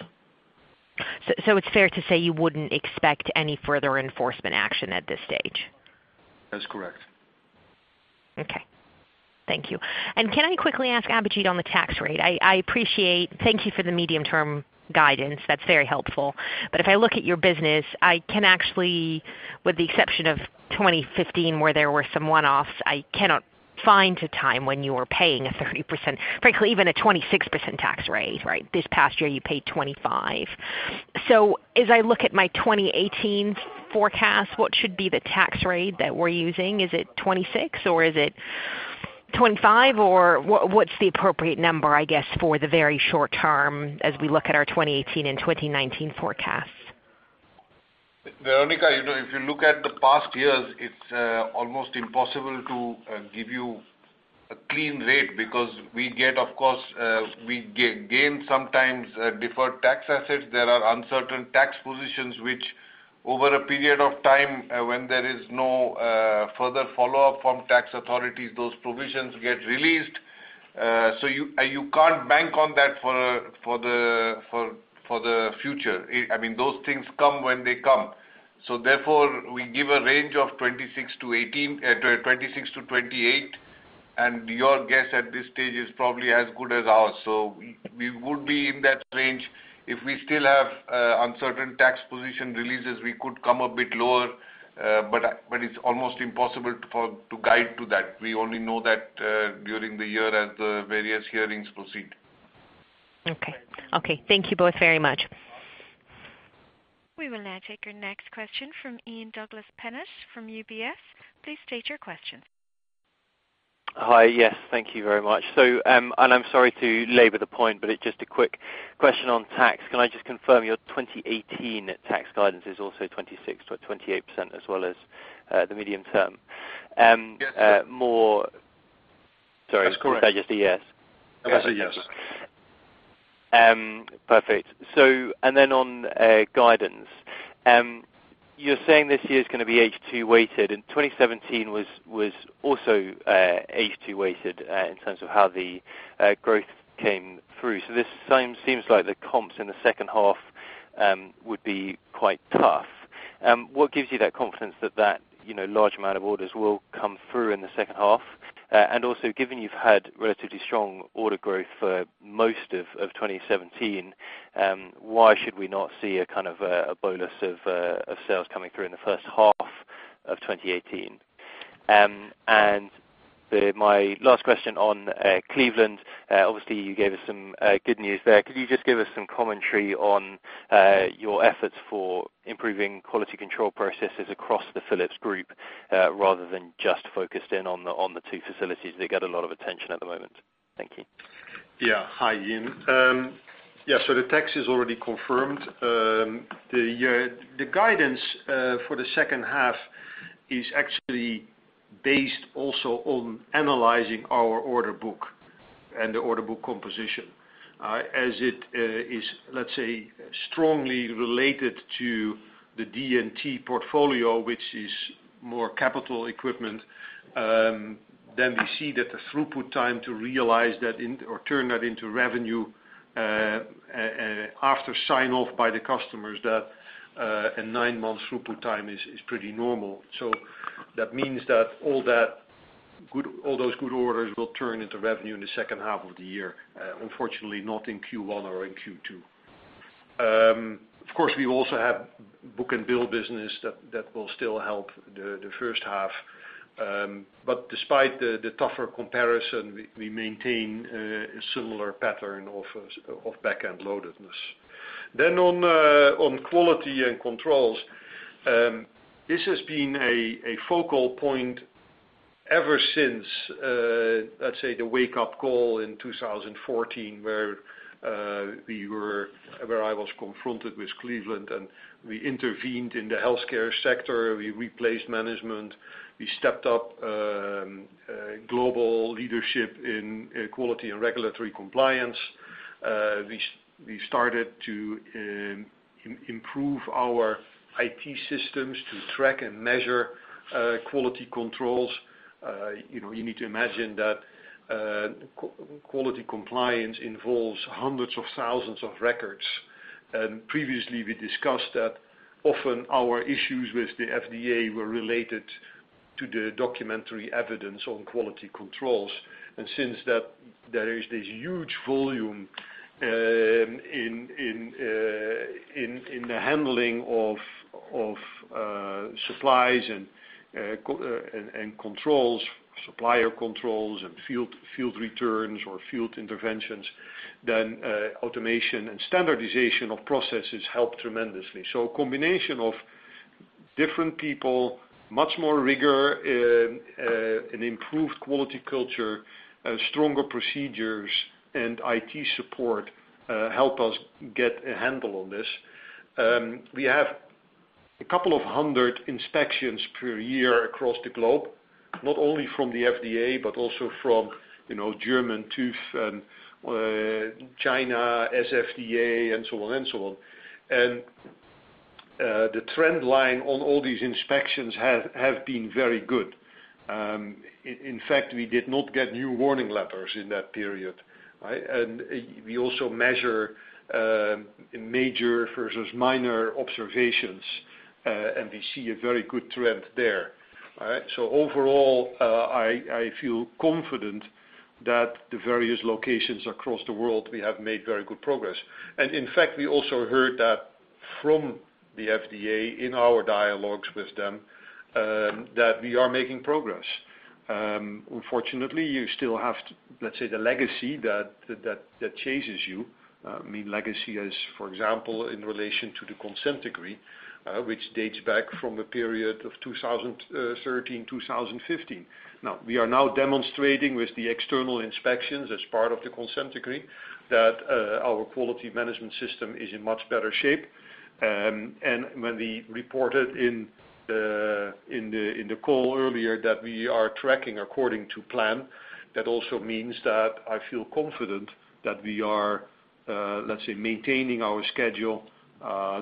It's fair to say you wouldn't expect any further enforcement action at this stage? That's correct. Okay. Thank you. Can I quickly ask Abhijit on the tax rate? Thank you for the medium-term guidance. That's very helpful. If I look at your business, I can actually, with the exception of 2015, where there were some one-offs, I cannot find a time when you were paying a 30%, frankly, even a 26% tax rate, right? This past year, you paid 25. As I look at my 2018 forecast, what should be the tax rate that we're using? Is it 26 or is it 25? What's the appropriate number, I guess, for the very short term as we look at our 2018 and 2019 forecasts? Veronika, if you look at the past years, it is almost impossible to give you a clean rate because we gain sometimes deferred tax assets. There are uncertain tax positions which over a period of time, when there is no further follow-up from tax authorities, those provisions get released. You cannot bank on that for the future. Those things come when they come. Therefore, we give a range of 26%-28%, and your guess at this stage is probably as good as ours. We would be in that range. If we still have uncertain tax position releases, we could come a bit lower, but it is almost impossible to guide to that. We only know that during the year as the various hearings proceed. Okay. Thank you both very much. We will now take our next question from Ian Douglas-Pennant from UBS. Please state your question. Hi. Yes, thank you very much. I am sorry to labor the point, it is just a quick question on tax. Can I just confirm your 2018 tax guidance is also 26%-28% as well as the medium term? Yes. Sorry. That's correct. Can I just a yes? That's a yes. Perfect. On guidance. You are saying this year is going to be H2 weighted, 2017 was also H2 weighted in terms of how the growth came through. This seems like the comps in the second half would be quite tough. What gives you that confidence that large amount of orders will come through in the second half? Given you have had relatively strong order growth for most of 2017, why should we not see a kind of a bonus of sales coming through in the first half of 2018? My last question on Cleveland, obviously you gave us some good news there. Could you just give us some commentary on your efforts for improving quality control processes across the Philips Group, rather than just focused in on the two facilities that get a lot of attention at the moment? Thank you. Yeah. Hi, Ian. The tax is already confirmed. The guidance for the second half is actually based also on analyzing our order book and the order book composition. As it is, let's say, strongly related to the D&T portfolio, which is more capital equipment, we see that the throughput time to realize that or turn that into revenue, after sign off by the customers, that a nine-month throughput time is pretty normal. That means that all those good orders will turn into revenue in the second half of the year, unfortunately not in Q1 or in Q2. Of course, we also have book and bill business that will still help the first half. Despite the tougher comparison, we maintain a similar pattern of back-end loadedness. On quality and controls. This has been a focal point ever since, let's say, the wake-up call in 2014, where I was confronted with Cleveland, we intervened in the healthcare sector. We replaced management. We stepped up global leadership in quality and regulatory compliance. We started to improve our IT systems to track and measure quality controls. You need to imagine that quality compliance involves hundreds of thousands of records. Previously, we discussed that often our issues with the FDA were related to the documentary evidence on quality controls. Since there is this huge volume in the handling of supplies and controls, supplier controls, and field returns or field interventions, automation and standardization of processes help tremendously. A combination of different people, much more rigor, an improved quality culture, stronger procedures, and IT support help us get a handle on this. We have a couple of hundred inspections per year across the globe, not only from the FDA, from German TÜV and China, CFDA, and so on. The trend line on all these inspections have been very good. In fact, we did not get new warning letters in that period. We also measure major versus minor observations, we see a very good trend there. Overall, I feel confident that the various locations across the world, we have made very good progress. In fact, we also heard that from the FDA in our dialogues with them, that we are making progress. Unfortunately, you still have, let's say, the legacy that chases you. Legacy as, for example, in relation to the consent decree, which dates back from the period of 2013, 2015. We are now demonstrating with the external inspections as part of the consent decree that our quality management system is in much better shape. When we reported in the call earlier that we are tracking according to plan, that also means that I feel confident that we are, let's say, maintaining our schedule,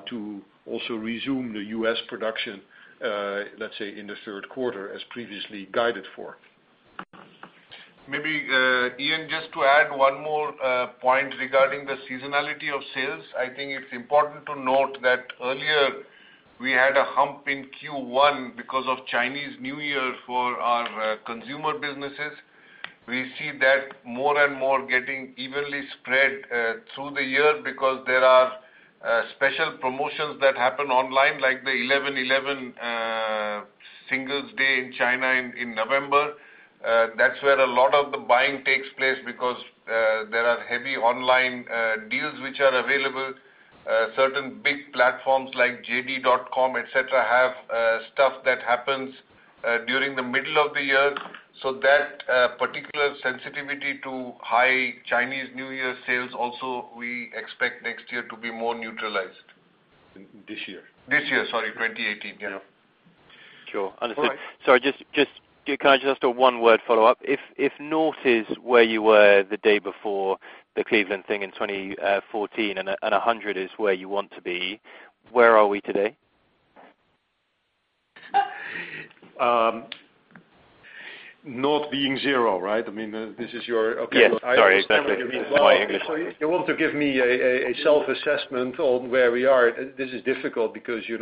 to also resume the U.S. production, let's say, in the third quarter as previously guided for. Maybe, Ian, just to add one more point regarding the seasonality of sales. I think it's important to note that earlier we had a hump in Q1 because of Chinese New Year for our consumer businesses. We see that more and more getting evenly spread through the year because there are special promotions that happen online, like the 11/11 Singles' Day in China in November. That's where a lot of the buying takes place because there are heavy online deals which are available. Certain big platforms like JD.com, et cetera, have stuff that happens during the middle of the year. That particular sensitivity to high Chinese New Year sales also, we expect next year to be more neutralized. This year. This year, sorry, 2018. Yeah. Yeah. Sure. Understood. All right. Sorry, can I just ask a one-word follow-up? If north is where you were the day before the Cleveland thing in 2014, and 100 is where you want to be, where are we today? North being zero, right? I mean, this is your Okay. Yes. Sorry, exactly. I understand what you mean. My English. You want to give me a self-assessment on where we are. This is difficult because, as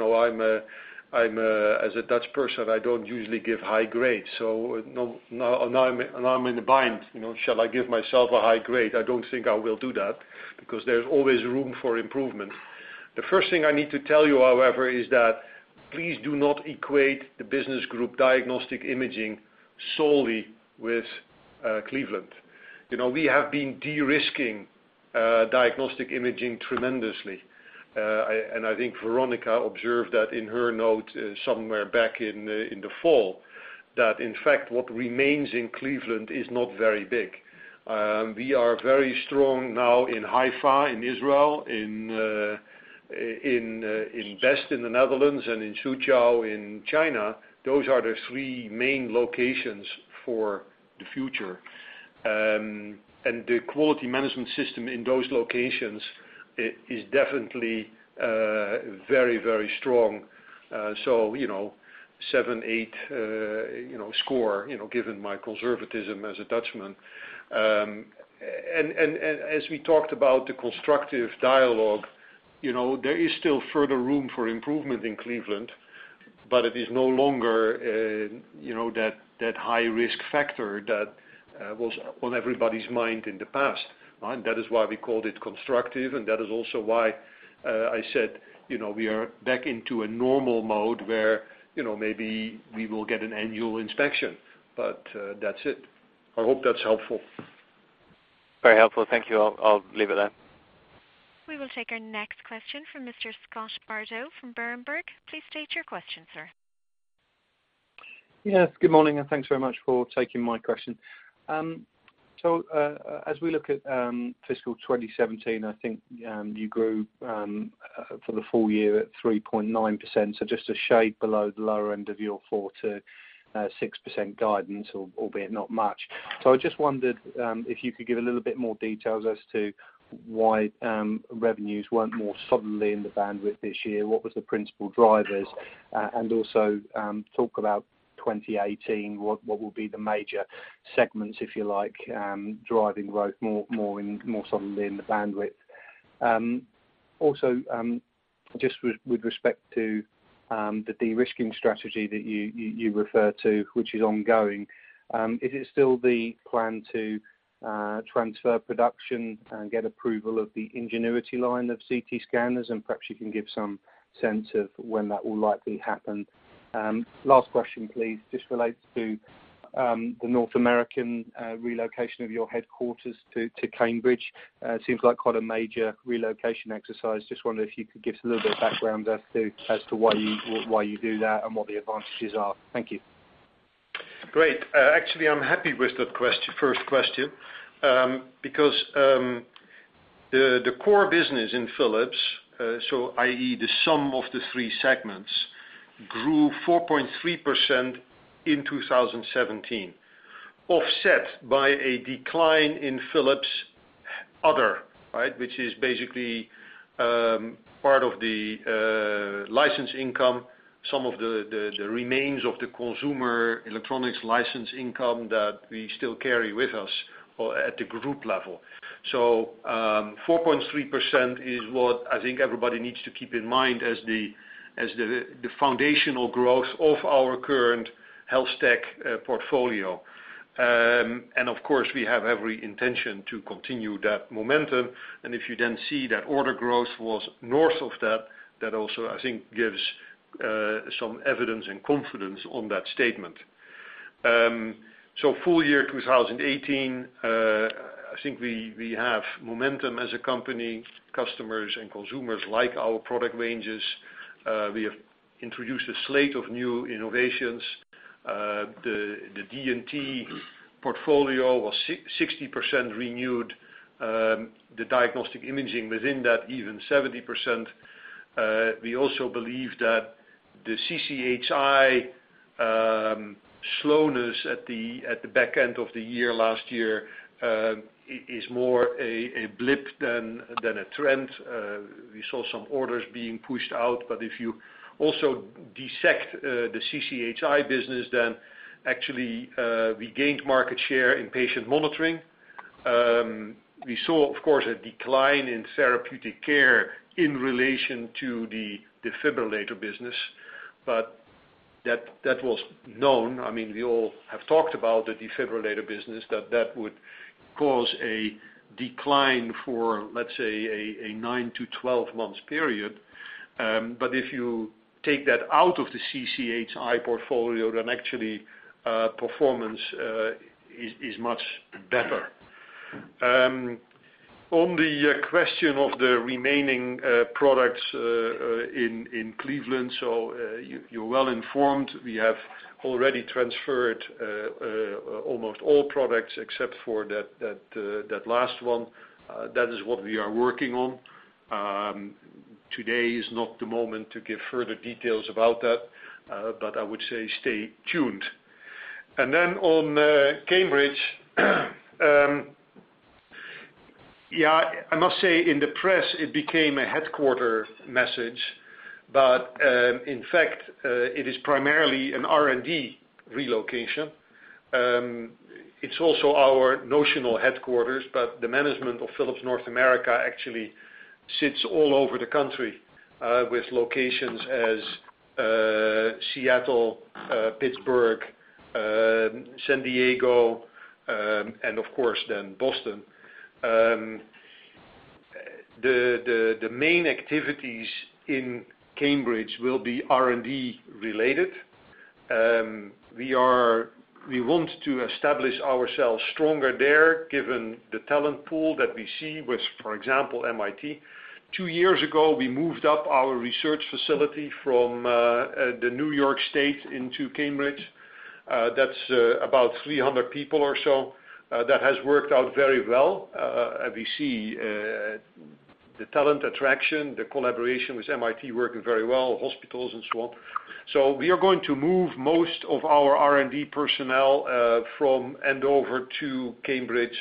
a Dutch person, I don't usually give high grades. Now I'm in a bind. Shall I give myself a high grade? I don't think I will do that because there's always room for improvement. The first thing I need to tell you, however, is that, please do not equate the business group diagnostic imaging solely with Cleveland. We have been de-risking diagnostic imaging tremendously. I think Veronika observed that in her note somewhere back in the fall. That in fact, what remains in Cleveland is not very big. We are very strong now in Haifa, in Israel, in Best, in the Netherlands, and in Suzhou, in China. Those are the three main locations for the future. The quality management system in those locations, is definitely very strong. Seven, eight score, given my conservatism as a Dutchman. As we talked about the constructive dialogue, there is still further room for improvement in Cleveland, but it is no longer that high-risk factor that was on everybody's mind in the past. That is why we called it constructive, and that is also why I said we are back into a normal mode where maybe we will get an annual inspection, but that's it. I hope that's helpful. Very helpful. Thank you. I'll leave it then. We will take our next question from Mr. Scott Bardo from Berenberg. Please state your question, sir. Yes, good morning, and thanks very much for taking my question. As we look at fiscal 2017, I think you grew, for the full year at 3.9%, just a shade below the lower end of your 4%-6% guidance, albeit not much. I just wondered if you could give a little bit more details as to why revenues weren't more suddenly in the bandwidth this year. What was the principal drivers? Also, talk about 2018, what will be the major segments, if you like, driving growth more suddenly in the bandwidth? Just with respect to the de-risking strategy that you refer to, which is ongoing, is it still the plan to transfer production and get approval of the Ingenuity line of CT scanners? Perhaps you can give some sense of when that will likely happen. Last question, please. Just relates to the North American relocation of your headquarters to Cambridge. Seems like quite a major relocation exercise. Just wondered if you could give us a little bit of background as to why you do that and what the advantages are. Thank you. Great. Actually, I'm happy with that first question. The core business in Philips, so i.e. the sum of the three segments, grew 4.3% in 2017, offset by a decline in Philips Other. Which is basically part of the license income, some of the remains of the consumer electronics license income that we still carry with us at the group level. 4.3% is what I think everybody needs to keep in mind as the foundational growth of our current health tech portfolio. Of course, we have every intention to continue that momentum. If you then see that order growth was north of that also, I think gives some evidence and confidence on that statement. Full year 2018, I think we have momentum as a company. Customers and consumers like our product ranges. We have introduced a slate of new innovations. The D&T portfolio was 60% renewed. The diagnostic imaging within that, even 70%. We also believe that the CCHI slowness at the back end of the year last year, is more a blip than a trend. We saw some orders being pushed out, if you also dissect the CCHI business, then actually, we gained market share in patient monitoring. We saw, of course, a decline in therapeutic care in relation to the defibrillator business. That was known. We all have talked about the defibrillator business, that that would cause a decline for, let's say, a 9-12 months period. If you take that out of the CCHI portfolio, then actually, performance is much better. On the question of the remaining products in Cleveland, you're well informed. We have already transferred almost all products except for that last one. That is what we are working on. Today is not the moment to give further details about that, I would say stay tuned. On Cambridge, I must say, in the press, it became a headquarter message. In fact, it is primarily an R&D relocation. It's also our notional headquarters, the management of Philips North America actually sits all over the country, with locations as Seattle, Pittsburgh, San Diego, and of course, then Boston. The main activities in Cambridge will be R&D related. We want to establish ourselves stronger there given the talent pool that we see with, for example, MIT. Two years ago, we moved up our research facility from the New York State into Cambridge. That's about 300 people or so. That has worked out very well. We see the talent attraction, the collaboration with MIT working very well, hospitals and so on. We are going to move most of our R&D personnel from Andover to Cambridge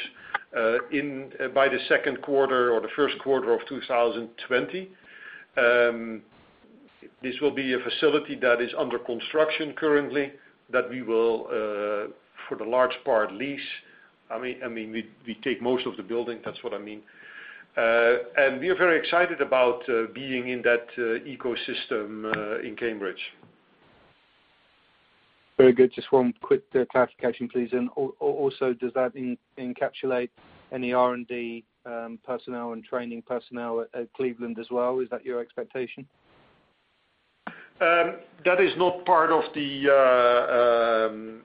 by the second quarter or the first quarter of 2020. This will be a facility that is under construction currently that we will, for the large part, lease. We take most of the building. That's what I mean. We are very excited about being in that ecosystem in Cambridge. Very good. Just one quick clarification, please. Also, does that encapsulate any R&D personnel and training personnel at Cleveland as well? Is that your expectation? That is not part of the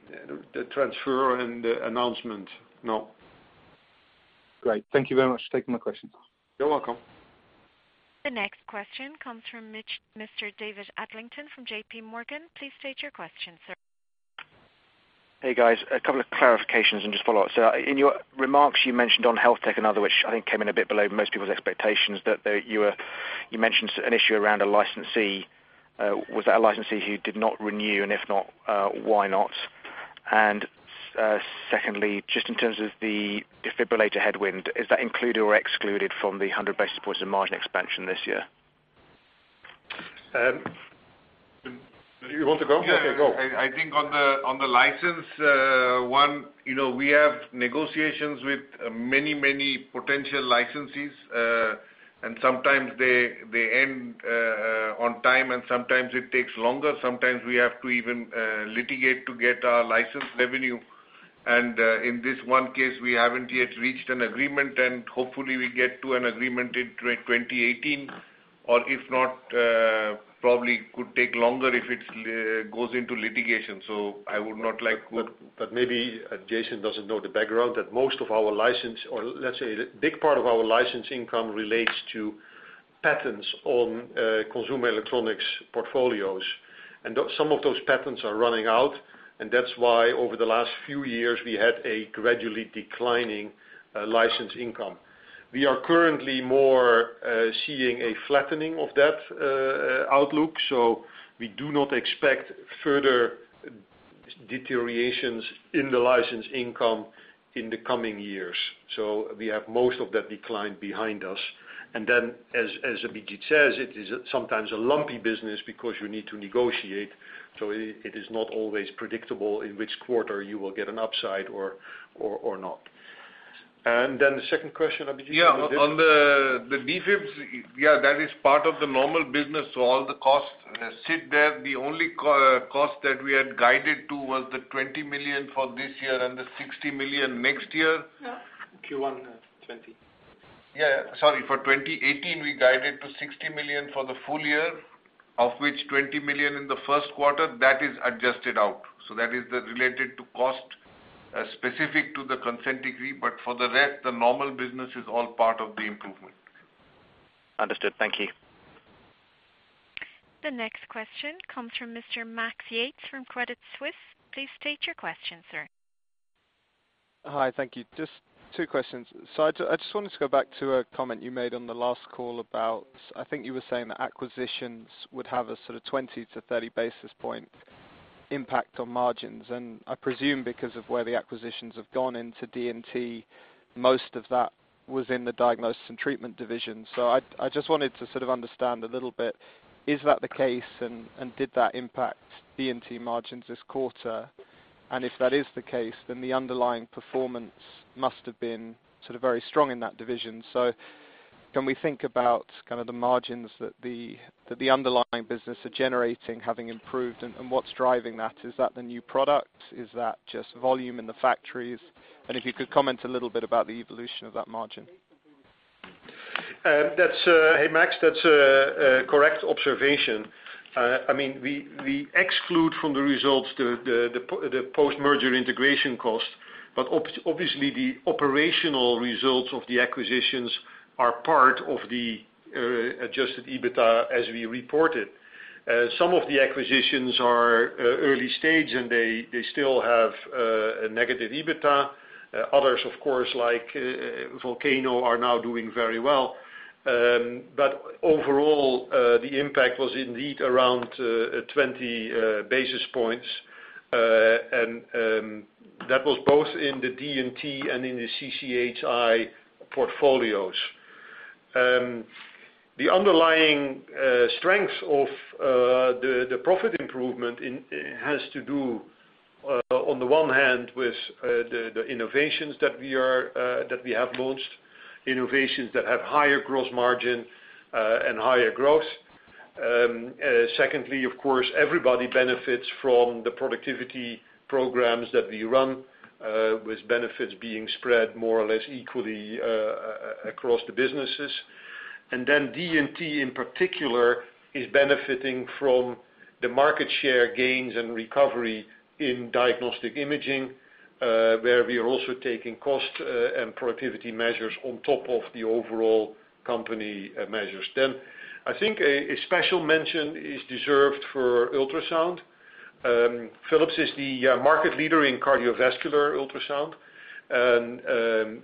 transfer and the announcement. No. Great. Thank you very much for taking my question. You are welcome. The next question comes from Mr. David Adlington from JP Morgan. Please state your question, sir. Hey, guys. A couple of clarifications and just follow-ups. In your remarks, you mentioned on health tech, another which I think came in a bit below most people's expectations, that you mentioned an issue around a licensee. Was that a licensee who did not renew, and if not, why not? Secondly, just in terms of the defibrillator headwind, is that included or excluded from the 100 basis points of margin expansion this year? Do you want to go? Okay, go. Yeah. I think on the license one, we have negotiations with many potential licensees. Sometimes they end on time, and sometimes it takes longer. Sometimes we have to even litigate to get our license revenue. In this one case, we haven't yet reached an agreement. Hopefully we get to an agreement in 2018. If not, probably could take longer if it goes into litigation. I would not like. Maybe Jason doesn't know the background, that most of our license, or let's say a big part of our license income relates to patents on consumer electronics portfolios. Some of those patents are running out, that's why over the last few years, we had a gradually declining license income. We are currently more seeing a flattening of that outlook. We do not expect further deteriorations in the license income in the coming years. We have most of that decline behind us. As Abhijit says, it is sometimes a lumpy business because you need to negotiate. It is not always predictable in which quarter you will get an upside or not. The second question, Abhijit. Yeah. On the defibs, that is part of the normal business. All the costs sit there. The only cost that we had guided to was the 20 million for this year and the 60 million next year. Q1 2020. Yeah. Sorry, for 2018, we guided to 60 million for the full year, of which 20 million in the first quarter. That is adjusted out. That is related to cost specific to the consent decree. For the rest, the normal business is all part of the improvement. Understood. Thank you. The next question comes from Mr. Max Yates from Credit Suisse. Please state your question, sir. Hi. Thank you. Just two questions. I just wanted to go back to a comment you made on the last call about, I think you were saying that acquisitions would have a sort of 20-30 basis point impact on margins. I presume because of where the acquisitions have gone into D&T, most of that was in the Diagnosis & Treatment division. I just wanted to sort of understand a little bit, is that the case, and did that impact D&T margins this quarter? If that is the case, then the underlying performance must have been very strong in that division. Can we think about the margins that the underlying business are generating having improved, and what's driving that? Is that the new product? Is that just volume in the factories? If you could comment a little bit about the evolution of that margin. Hey, Max, that's a correct observation. We exclude from the results the post-merger integration cost, but obviously the operational results of the acquisitions are part of the adjusted EBITA as we reported. Some of the acquisitions are early stage, and they still have a negative EBITA. Others, of course, like Volcano, are now doing very well. But overall, the impact was indeed around 20 basis points, and that was both in the D&T and in the CCHI portfolios. The underlying strength of the profit improvement has to do, on the one hand, with the innovations that we have launched, innovations that have higher gross margin and higher growth. Everybody benefits from the productivity programs that we run, with benefits being spread more or less equally across the businesses. D&T, in particular, is benefiting from the market share gains and recovery in diagnostic imaging, where we are also taking cost and productivity measures on top of the overall company measures. I think a special mention is deserved for ultrasound. Philips is the market leader in cardiovascular ultrasound.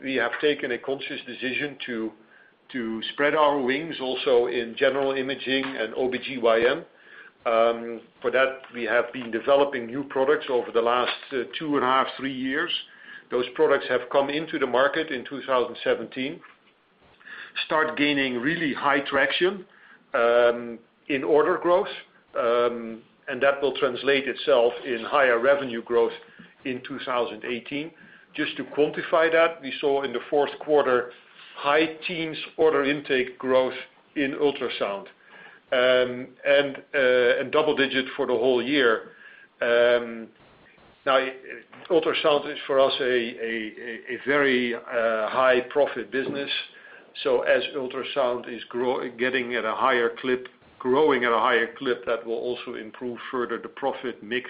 We have taken a conscious decision to spread our wings also in general imaging and OBGYN. For that, we have been developing new products over the last two and a half, three years. Those products have come into the market in 2017, start gaining really high traction in order growth, and that will translate itself in higher revenue growth in 2018. Just to quantify that, we saw in the fourth quarter high teens order intake growth in ultrasound, and double digit for the whole year. Ultrasound is, for us, a very high profit business. As ultrasound is growing at a higher clip, that will also improve further the profit mix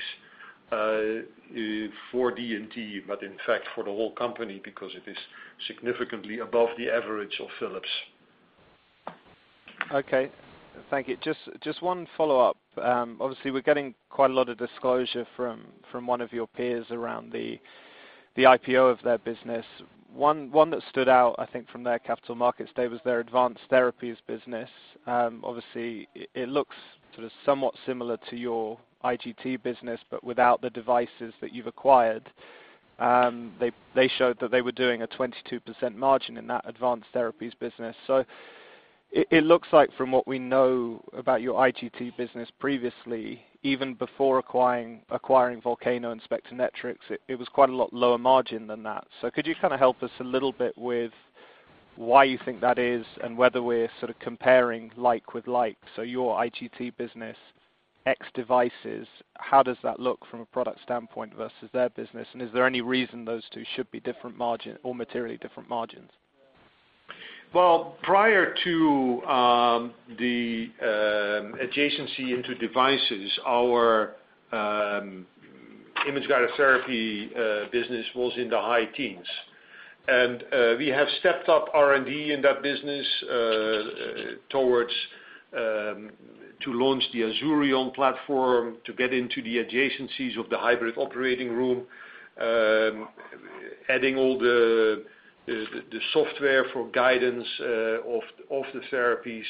for D&T, but in fact for the whole company, because it is significantly above the average of Philips. Okay. Thank you. Just one follow-up. Obviously, we're getting quite a lot of disclosure from one of your peers around the IPO of their business. One that stood out, I think, from their Capital Markets Day was their advanced therapies business. Obviously, it looks sort of somewhat similar to your IGT business, but without the devices that you've acquired. They showed that they were doing a 22% margin in that advanced therapies business. It looks like from what we know about your IGT business previously, even before acquiring Volcano and Spectranetics, it was quite a lot lower margin than that. Could you kind of help us a little bit with why you think that is and whether we're sort of comparing like with like? Your IGT business, ex devices, how does that look from a product standpoint versus their business? Is there any reason those two should be different margin or materially different margins? Well, prior to the adjacency into devices, our image-guided therapy business was in the high teens. We have stepped up R&D in that business to launch the Azurion platform, to get into the adjacencies of the hybrid operating room, adding all the software for guidance of the therapies,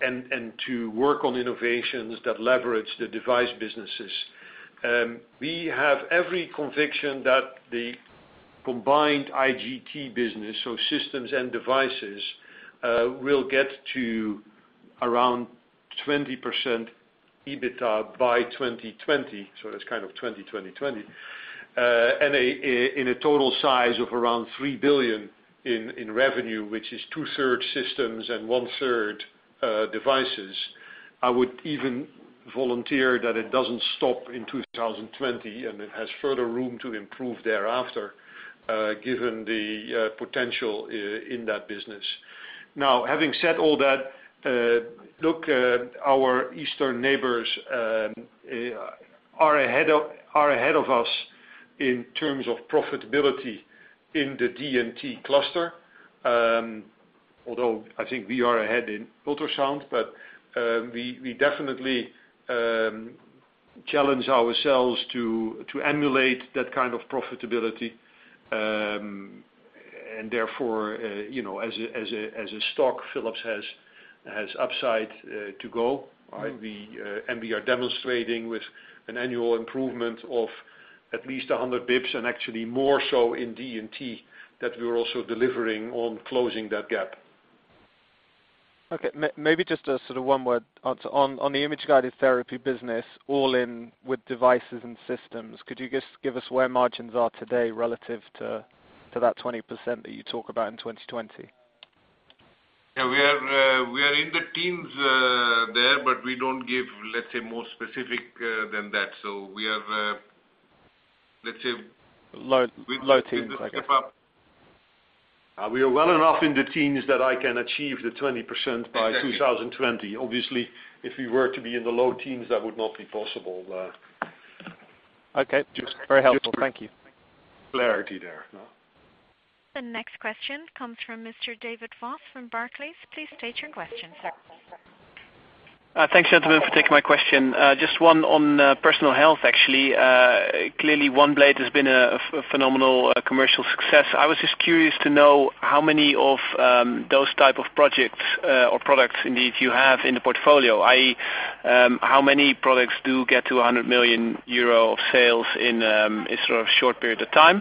and to work on innovations that leverage the device businesses. We have every conviction that the combined IGT business, so systems and devices, will get to around 20% EBITA by 2020. That's kind of 2020-20. In a total size of around 3 billion in revenue, which is two-third systems and one-third devices. I would even volunteer that it doesn't stop in 2020, and it has further room to improve thereafter, given the potential in that business. Now, having said all that, look, our eastern neighbors are ahead of us in terms of profitability in the D&T cluster, although I think we are ahead in ultrasound. We definitely challenge ourselves to emulate that kind of profitability, and therefore, as a stock, Philips has upside to go. We are demonstrating with an annual improvement of at least 100 basis points, and actually more so in D&T, that we're also delivering on closing that gap. Okay, maybe just a one-word answer. On the image-guided therapy business, all in with devices and systems, could you just give us where margins are today relative to that 20% that you talk about in 2020? Yeah, we are in the teens there, we don't give, let's say, more specific than that. Low teens, I get. With the step-up. We are well enough in the teens that I can achieve the 20% by 2020. Obviously, if we were to be in the low teens, that would not be possible. Okay. Very helpful. Thank you. Clarity there, no? The next question comes from Mr. David Voss from Barclays. Please state your question, sir. Thanks, gentlemen, for taking my question. Just one on personal health, actually. Clearly, OneBlade has been a phenomenal commercial success. I was just curious to know how many of those type of projects or products indeed you have in the portfolio, i.e., how many products do get to 100 million euro of sales in a sort of short period of time?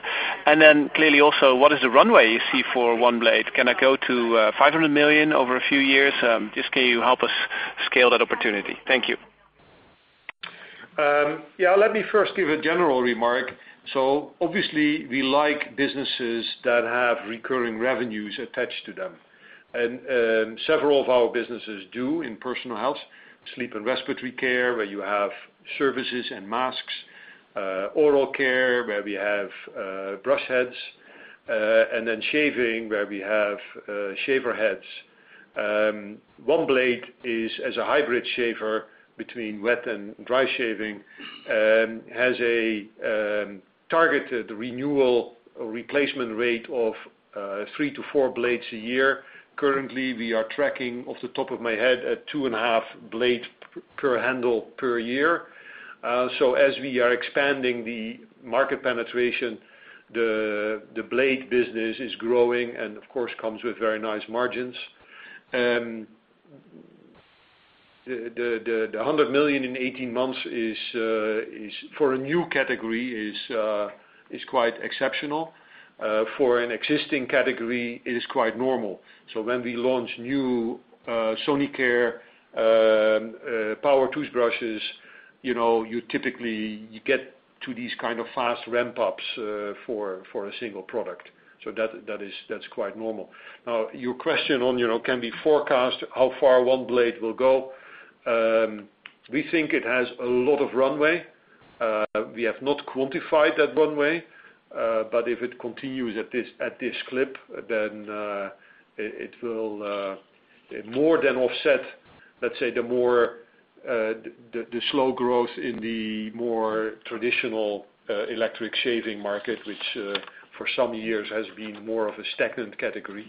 Clearly also, what is the runway you see for OneBlade? Can it go to 500 million over a few years? Just can you help us scale that opportunity? Thank you. Yeah, let me first give a general remark. Obviously, we like businesses that have recurring revenues attached to them, and several of our businesses do in personal health, sleep and respiratory care, where you have services and masks, oral care, where we have brush heads, and then shaving, where we have shaver heads. OneBlade is as a hybrid shaver between wet and dry shaving, has a targeted renewal replacement rate of three to four blades a year. Currently, we are tracking, off the top of my head, at two and a half blade per handle per year. As we are expanding the market penetration, the blade business is growing, and of course comes with very nice margins. The 100 million in 18 months, for a new category, is quite exceptional. For an existing category, it is quite normal. When we launch new Sonicare power toothbrushes, you typically get to these kind of fast ramp-ups for a single product. That's quite normal. Now, your question on, can we forecast how far OneBlade will go. We think it has a lot of runway. We have not quantified that runway. If it continues at this clip, then it will more than offset, let's say, the slow growth in the more traditional electric shaving market, which for some years has been more of a stagnant category.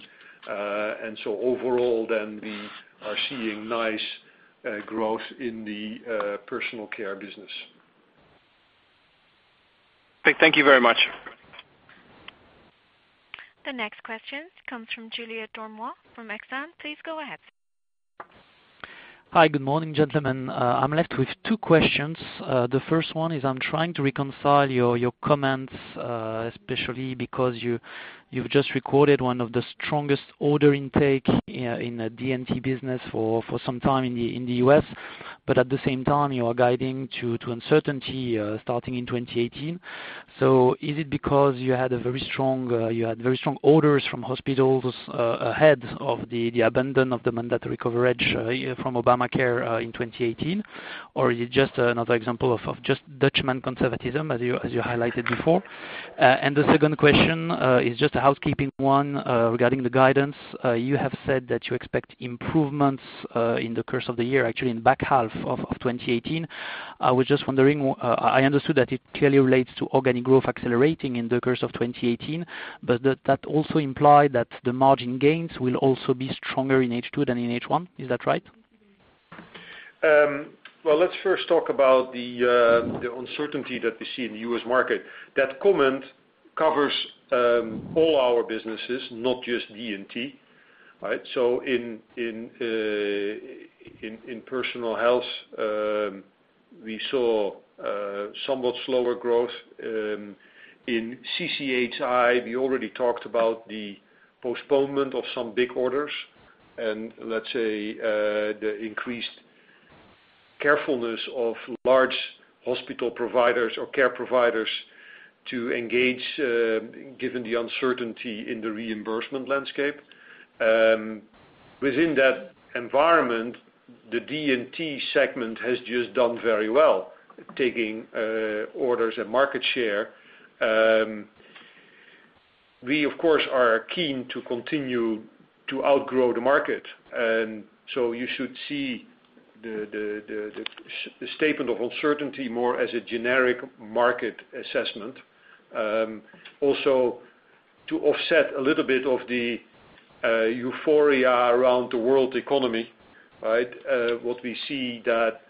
Overall, then, we are seeing nice growth in the personal care business. Thank you very much. The next question comes from Julien Dormois from Exane. Please go ahead. Hi. Good morning, gentlemen. I'm left with two questions. The first one is I'm trying to reconcile your comments, especially because you've just recorded one of the strongest order intake in the D&T business for some time in the U.S. At the same time, you are guiding to uncertainty starting in 2018. Is it because you had very strong orders from hospitals ahead of the abandon of the mandatory coverage from Obamacare in 2018? Is it just another example of just Dutchman conservatism as you highlighted before? The second question is just a housekeeping one regarding the guidance. You have said that you expect improvements in the course of the year, actually in the back half of 2018. I was just wondering, I understood that it clearly relates to organic growth accelerating in the course of 2018, does that also imply that the margin gains will also be stronger in H2 than in H1? Is that right? Well, let's first talk about the uncertainty that we see in the U.S. market. That comment covers all our businesses, not just D&T. In CCHI, we already talked about the postponement of some big orders, and let's say, the increased carefulness of large hospital providers or care providers to engage, given the uncertainty in the reimbursement landscape. Within that environment, the D&T segment has just done very well, taking orders and market share. We, of course, are keen to continue to outgrow the market. You should see the statement of uncertainty more as a generic market assessment. Also, to offset a little bit of the euphoria around the world economy. What we see that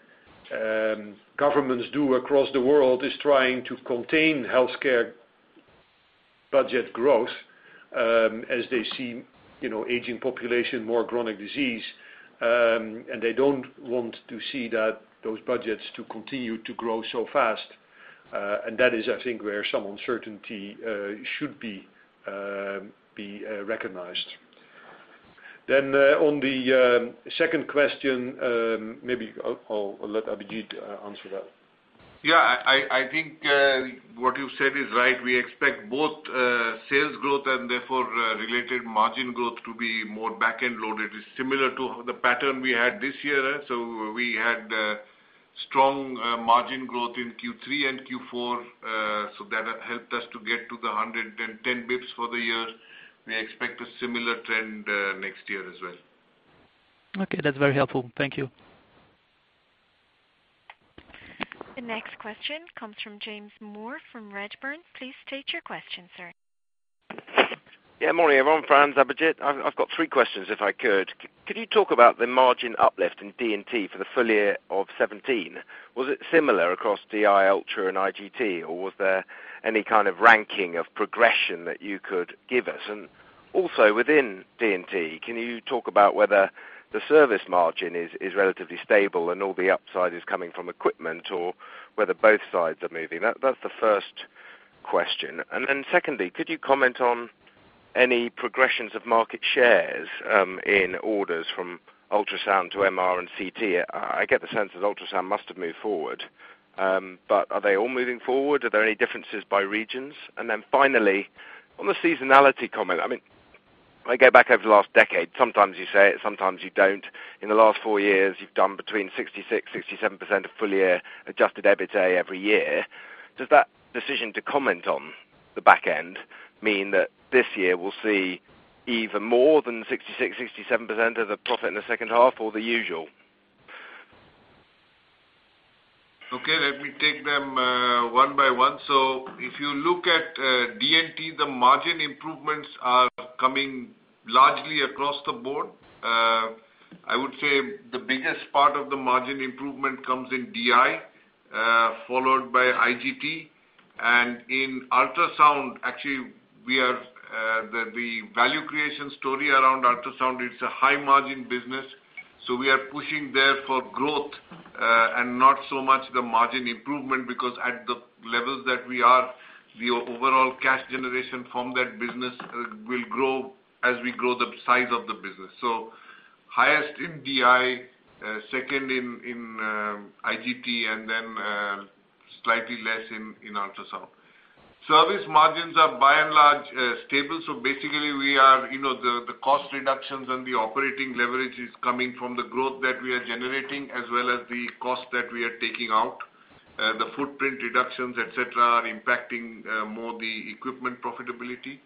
governments do across the world is trying to contain healthcare budget growth, as they see aging population, more chronic disease, and they don't want to see those budgets to continue to grow so fast. That is, I think, where some uncertainty should be recognized. On the second question, maybe I'll let Abhijit answer that. I think what you said is right. We expect both sales growth and therefore related margin growth to be more back-end loaded. It's similar to the pattern we had this year. We had strong margin growth in Q3 and Q4. That helped us to get to the 110 basis points for the year. We expect a similar trend next year as well. That's very helpful. Thank you. The next question comes from James Moore from Redburn. Please state your question, sir. Morning, everyone. Frans, Abhijit. I've got three questions if I could. Could you talk about the margin uplift in D&T for the full year of 2017? Was it similar across DI, Ultrasound, and IGT, or was there any kind of ranking of progression that you could give us? Also within D&T, can you talk about whether the service margin is relatively stable and all the upside is coming from equipment, or whether both sides are moving? That's the first question. Then secondly, could you comment on any progressions of market shares in orders from Ultrasound to MR and CT? I get the sense that Ultrasound must have moved forward. Are they all moving forward? Are there any differences by regions? Then finally, on the seasonality comment, I go back over the last decade. Sometimes you say it, sometimes you don't. In the last four years, you've done between 66%-67% of full year adjusted EBITDA every year. Does that decision to comment on the back end mean that this year will see either more than 66%-67% of the profit in the second half or the usual? Okay, let me take them one by one. If you look at D&T, the margin improvements are coming largely across the board. I would say the biggest part of the margin improvement comes in DI, followed by IGT. In Ultrasound, actually, the value creation story around Ultrasound, it's a high-margin business. We are pushing there for growth, and not so much the margin improvement, because at the levels that we are, the overall cash generation from that business will grow as we grow the size of the business. Highest in DI, second in IGT, then slightly less in Ultrasound. Service margins are by and large stable, basically, the cost reductions and the operating leverage is coming from the growth that we are generating as well as the cost that we are taking out. The footprint reductions, et cetera, are impacting more the equipment profitability.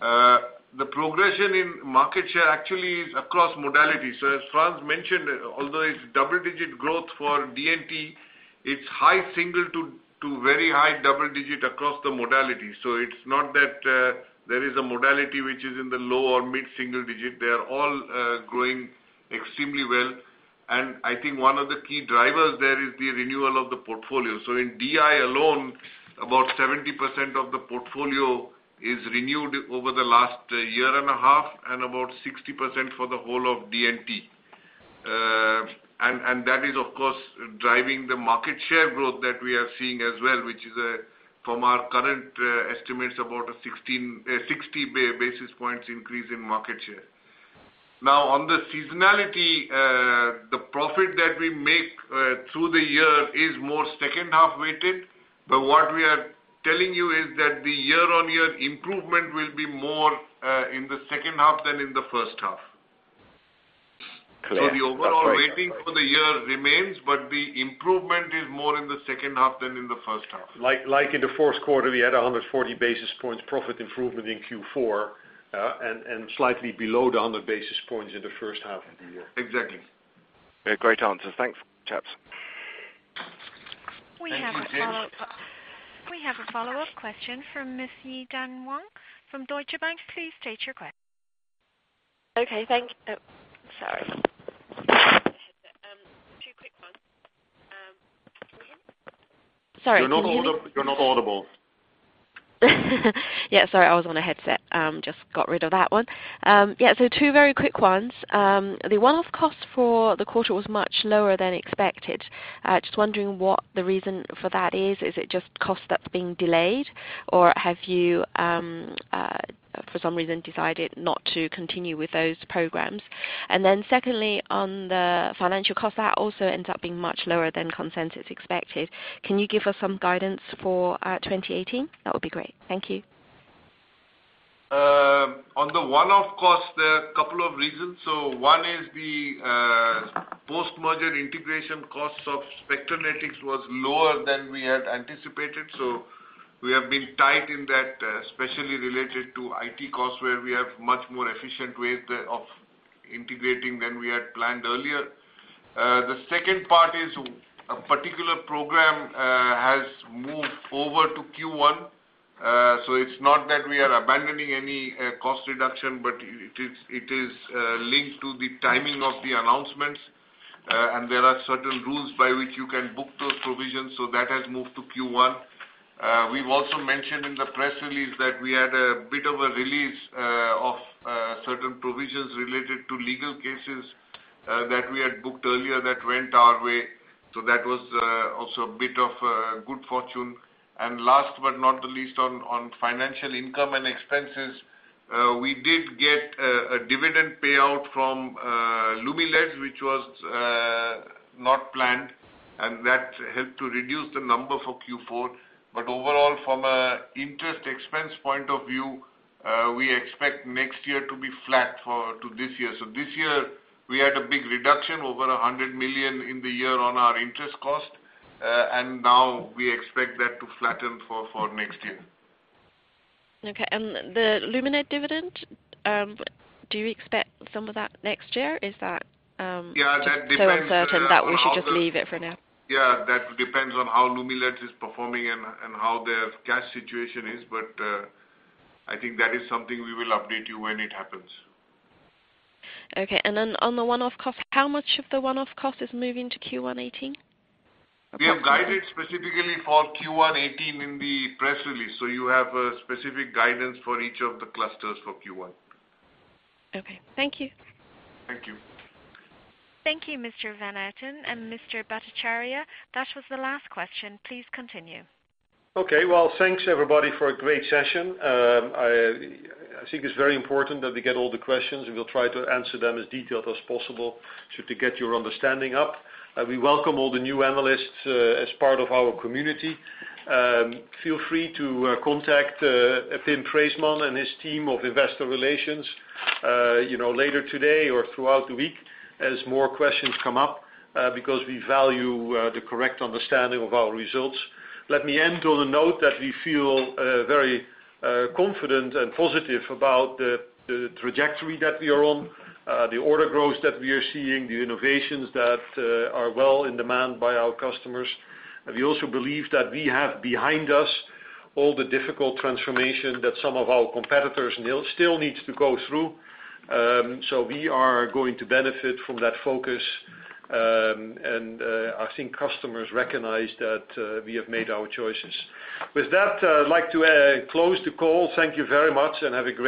The progression in market share actually is across modalities. As Frans mentioned, although it's double-digit growth for D&T, it's high single-digit to very high double-digit across the modalities. It's not that there is a modality which is in the low or mid-single-digit. They are all growing extremely well, I think one of the key drivers there is the renewal of the portfolio. In DI alone, about 70% of the portfolio is renewed over the last year and a half, about 60% for the whole of D&T. That is, of course, driving the market share growth that we are seeing as well, which is, from our current estimates, about a 60 basis points increase in market share. Now, on the seasonality, the profit that we make through the year is more second half-weighted. What we are telling you is that the year-on-year improvement will be more in the second half than in the first half. Clear. The overall weighting for the year remains, but the improvement is more in the second half than in the first half. Like in the first quarter, we had 140 basis points profit improvement in Q4, and slightly below the 100 basis points in the first half of the year. Exactly. Yeah, great answers. Thanks, chaps. We have a follow-up. Thank you, James. We have a follow-up question from Yi-Dan Wang from Deutsche Bank. Please state your question. Okay, thank. Sorry. Two quick ones. Can you hear me? Sorry. You're not audible. Sorry, I was on a headset. Just got rid of that one. Two very quick ones. The one-off cost for the quarter was much lower than expected. Just wondering what the reason for that is. Is it just cost that's being delayed, or have you, for some reason, decided not to continue with those programs? Secondly, on the financial cost, that also ends up being much lower than consensus expected. Can you give us some guidance for 2018? That would be great. Thank you. On the one-off cost, there are a couple of reasons. One is the post-merger integration costs of Spectranetics was lower than we had anticipated. We have been tight in that, especially related to IT costs, where we have much more efficient ways of integrating than we had planned earlier. The second part is a particular program has moved over to Q1. It's not that we are abandoning any cost reduction, but it is linked to the timing of the announcements. There are certain rules by which you can book those provisions, that has moved to Q1. We've also mentioned in the press release that we had a bit of a release of certain provisions related to legal cases that we had booked earlier that went our way. That was also a bit of good fortune. Last but not the least, on financial income and expenses, we did get a dividend payout from Lumileds, which was not planned, that helped to reduce the number for Q4. Overall, from an interest expense point of view, we expect next year to be flat to this year. This year, we had a big reduction, over 100 million in the year on our interest cost, now we expect that to flatten for next year. Okay, the Lumileds dividend, do you expect some of that next year? Is that? Yeah Uncertain that we should just leave it for now? Yeah, that depends on how Lumileds is performing and how their cash situation is. I think that is something we will update you when it happens. Okay. Then on the one-off cost, how much of the one-off cost is moving to Q1 2018? We have guided specifically for Q1 2018 in the press release, so you have a specific guidance for each of the clusters for Q1. Okay. Thank you. Thank you. Thank you, Mr. van Houten and Mr. Bhattacharya. That was the last question. Please continue. Okay. Well, thanks everybody for a great session. I think it's very important that we get all the questions, and we'll try to answer them as detailed as possible to get your understanding up. We welcome all the new analysts as part of our community. Feel free to contact Pim Preesman and his team of investor relations later today or throughout the week as more questions come up, because we value the correct understanding of our results. Let me end on a note that we feel very confident and positive about the trajectory that we are on, the order growth that we are seeing, the innovations that are well in demand by our customers. We also believe that we have behind us all the difficult transformation that some of our competitors still need to go through. We are going to benefit from that focus, and I think customers recognize that we have made our choices. With that, I'd like to close the call. Thank you very much and have a great day.